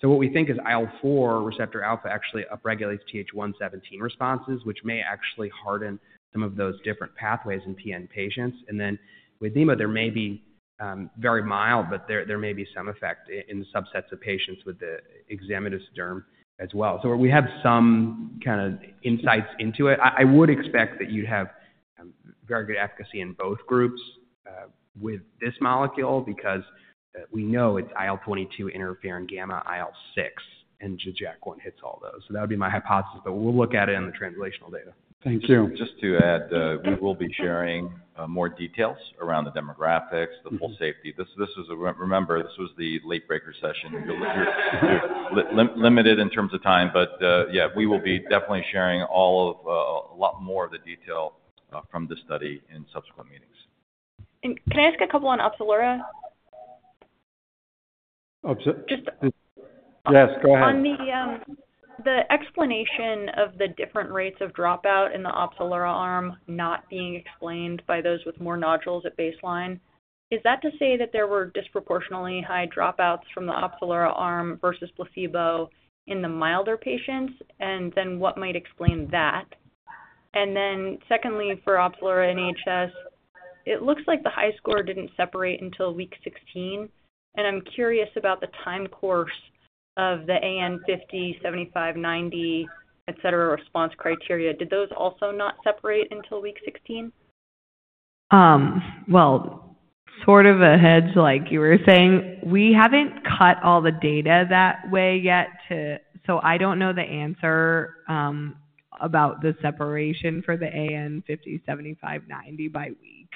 So what we think is IL-4 receptor alpha actually upregulates TH-117 responses, which may actually harden some of those different pathways in PN patients. And then with NEMO, there may be very mild, but there may be some effect in subsets of patients with the eczematous derm as well. So we have some kind of insights into it. I would expect that you'd have very good efficacy in both groups with this molecule because we know it's IL-22, interferon gamma, IL-6, and JAK1 hits all those. So that would be my hypothesis, but we'll look at it in the translational data. Thank you. Just to add, we will be sharing more details around the demographics, the full safety. Remember, this was the late-breaker session. We're limited in terms of time. But yeah, we will be definitely sharing a lot more of the detail from this study in subsequent meetings. Can I ask a couple on Opzelura? Opzelura? Yes. Go ahead. On the explanation of the different rates of dropout in the Upsellera arm not being explained by those with more nodules at baseline, is that to say that there were disproportionately high dropouts from the Upsellera arm versus placebo in the milder patients? And then what might explain that? And then secondly, for Opzelura and HS, it looks like the HiSCR didn't separate until week 16. And I'm curious about the time course of the AN50, 75, 90, etc., response criteria. Did those also not separate until week 16? Well, sort of a hedge like you were saying. We haven't cut all the data that way yet, so I don't know the answer about the separation for the AN50, 75, 90 by week.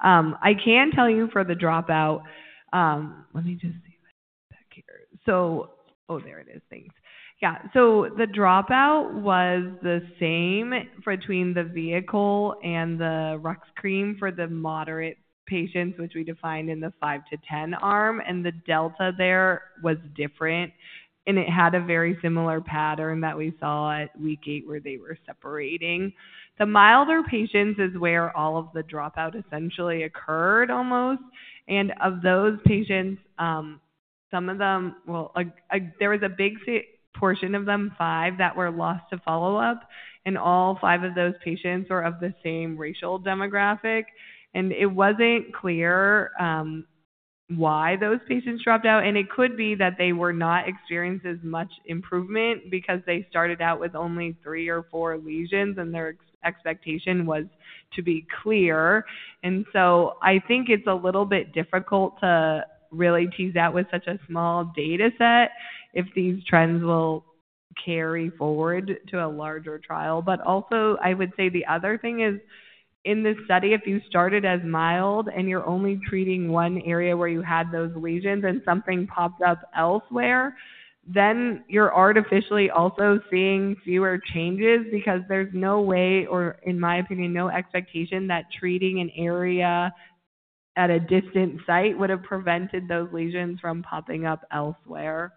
I can tell you for the dropout. Let me just see if I can get that here. So, oh, there it is. Thanks. Yeah. So the dropout was the same between the vehicle and the Rux cream for the moderate patients, which we defined in the 5-10 arm. And the delta there was different, and it had a very similar pattern that we saw at week 8 where they were separating. The milder patients is where all of the dropout essentially occurred almost. And of those patients, some of them, well, there was a big portion of them, 5, that were lost to follow-up. All five of those patients were of the same racial demographic. It wasn't clear why those patients dropped out. It could be that they were not experiencing as much improvement because they started out with only 3 or 4 lesions, and their expectation was to be clear. So I think it's a little bit difficult to really tease out with such a small dataset if these trends will carry forward to a larger trial. But also, I would say the other thing is in this study, if you started as mild and you're only treating one area where you had those lesions and something popped up elsewhere, then you're artificially also seeing fewer changes because there's no way or, in my opinion, no expectation that treating an area at a distant site would have prevented those lesions from popping up elsewhere.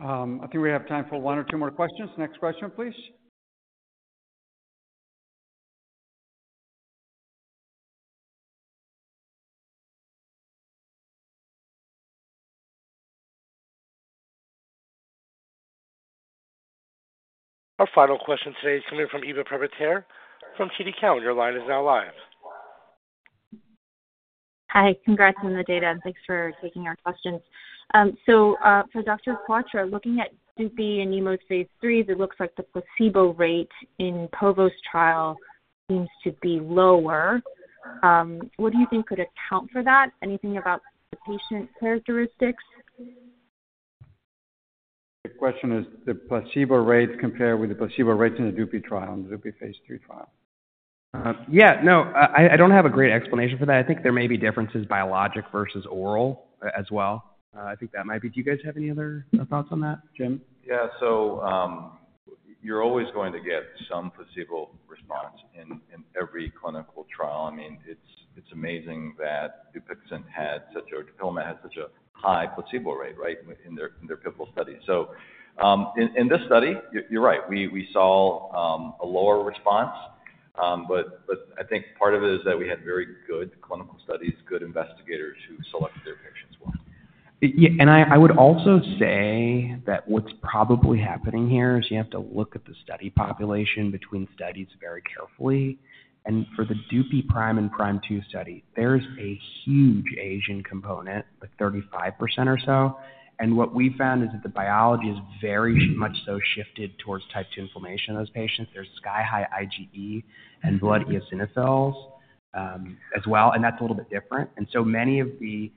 I think we have time for one or two more questions. Next question, please. Our final question today is coming from Eva Privitera from TD Cowen. Your line is now live. Hi. Congrats on the data. Thanks for taking our questions. For Dr. Kwatra, looking at dupi and NEMO stage threes, it looks like the placebo rate in Povo's trial seems to be lower. What do you think could account for that? Anything about the patient characteristics? The question is, the placebo rates compare with the placebo rates in the dupi trial, in the dupi phase 3 trial? Yeah. No. I don't have a great explanation for that. I think there may be differences biologic versus oral as well. I think that might be. Do you guys have any other thoughts on that, Jim? Yeah. So you're always going to get some placebo response in every clinical trial. I mean, it's amazing that Dupixent had such a high placebo rate, right, in their pivotal studies. So in this study, you're right. We saw a lower response. But I think part of it is that we had very good clinical studies, good investigators who selected their patients well. Yeah. I would also say that what's probably happening here is you have to look at the study population between studies very carefully. For the Dupixent PRIME and PRIME2 study, there's a huge Asian component, like 35% or so. What we found is that the biology is very much so shifted towards type 2 inflammation in those patients. There's sky-high IgE and blood eosinophils as well, and that's a little bit different. Many of the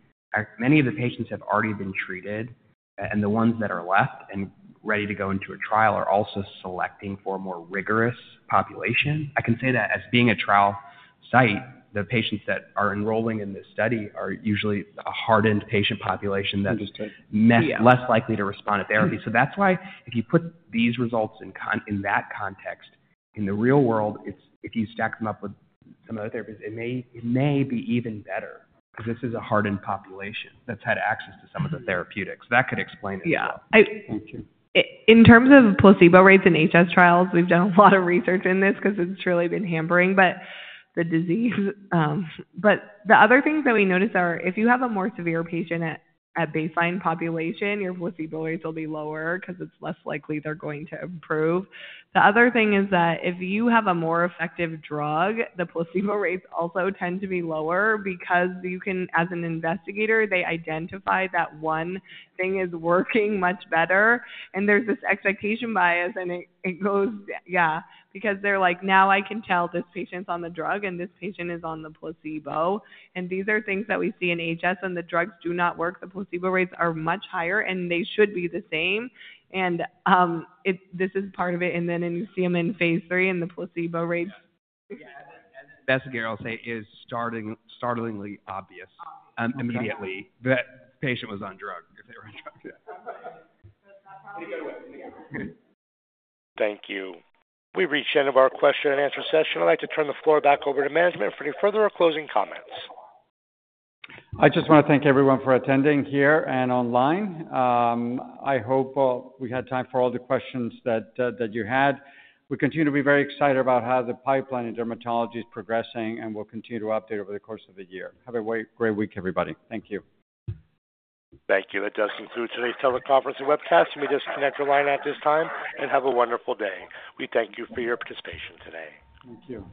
patients have already been treated, and the ones that are left and ready to go into a trial are also selecting for a more rigorous population. I can say that as being a trial site, the patients that are enrolling in this study are usually a hardened patient population that's less likely to respond to therapy. That's why if you put these results in that context, in the real world, if you stack them up with some other therapies, it may be even better because this is a hardened population that's had access to some of the therapeutics. That could explain it as well. Yeah. Thank you. In terms of placebo rates in HS trials, we've done a lot of research in this because it's really been hampering. But the other things that we notice are if you have a more severe patient at baseline population, your placebo rates will be lower because it's less likely they're going to improve. The other thing is that if you have a more effective drug, the placebo rates also tend to be lower because you can as an investigator, they identify that one thing is working much better. And there's this expectation bias, and it goes yeah, because they're like, "Now I can tell this patient's on the drug and this patient is on the placebo." And these are things that we see in HS. When the drugs do not work, the placebo rates are much higher, and they should be the same. And this is part of it. And then you see them in phase 3, and the placebo rates. Yeah. As an investigator, I'll say it is startlingly obvious immediately that the patient was on drug if they were on drugs. Yeah. Thank you. We've reached the end of our question and answer session. I'd like to turn the floor back over to management for any further or closing comments. I just want to thank everyone for attending here and online. I hope we had time for all the questions that you had. We continue to be very excited about how the pipeline in dermatology is progressing, and we'll continue to update over the course of the year. Have a great week, everybody. Thank you. Thank you. That does conclude today's teleconference and webcast. You may disconnect your line at this time and have a wonderful day. We thank you for your participation today. Thank you.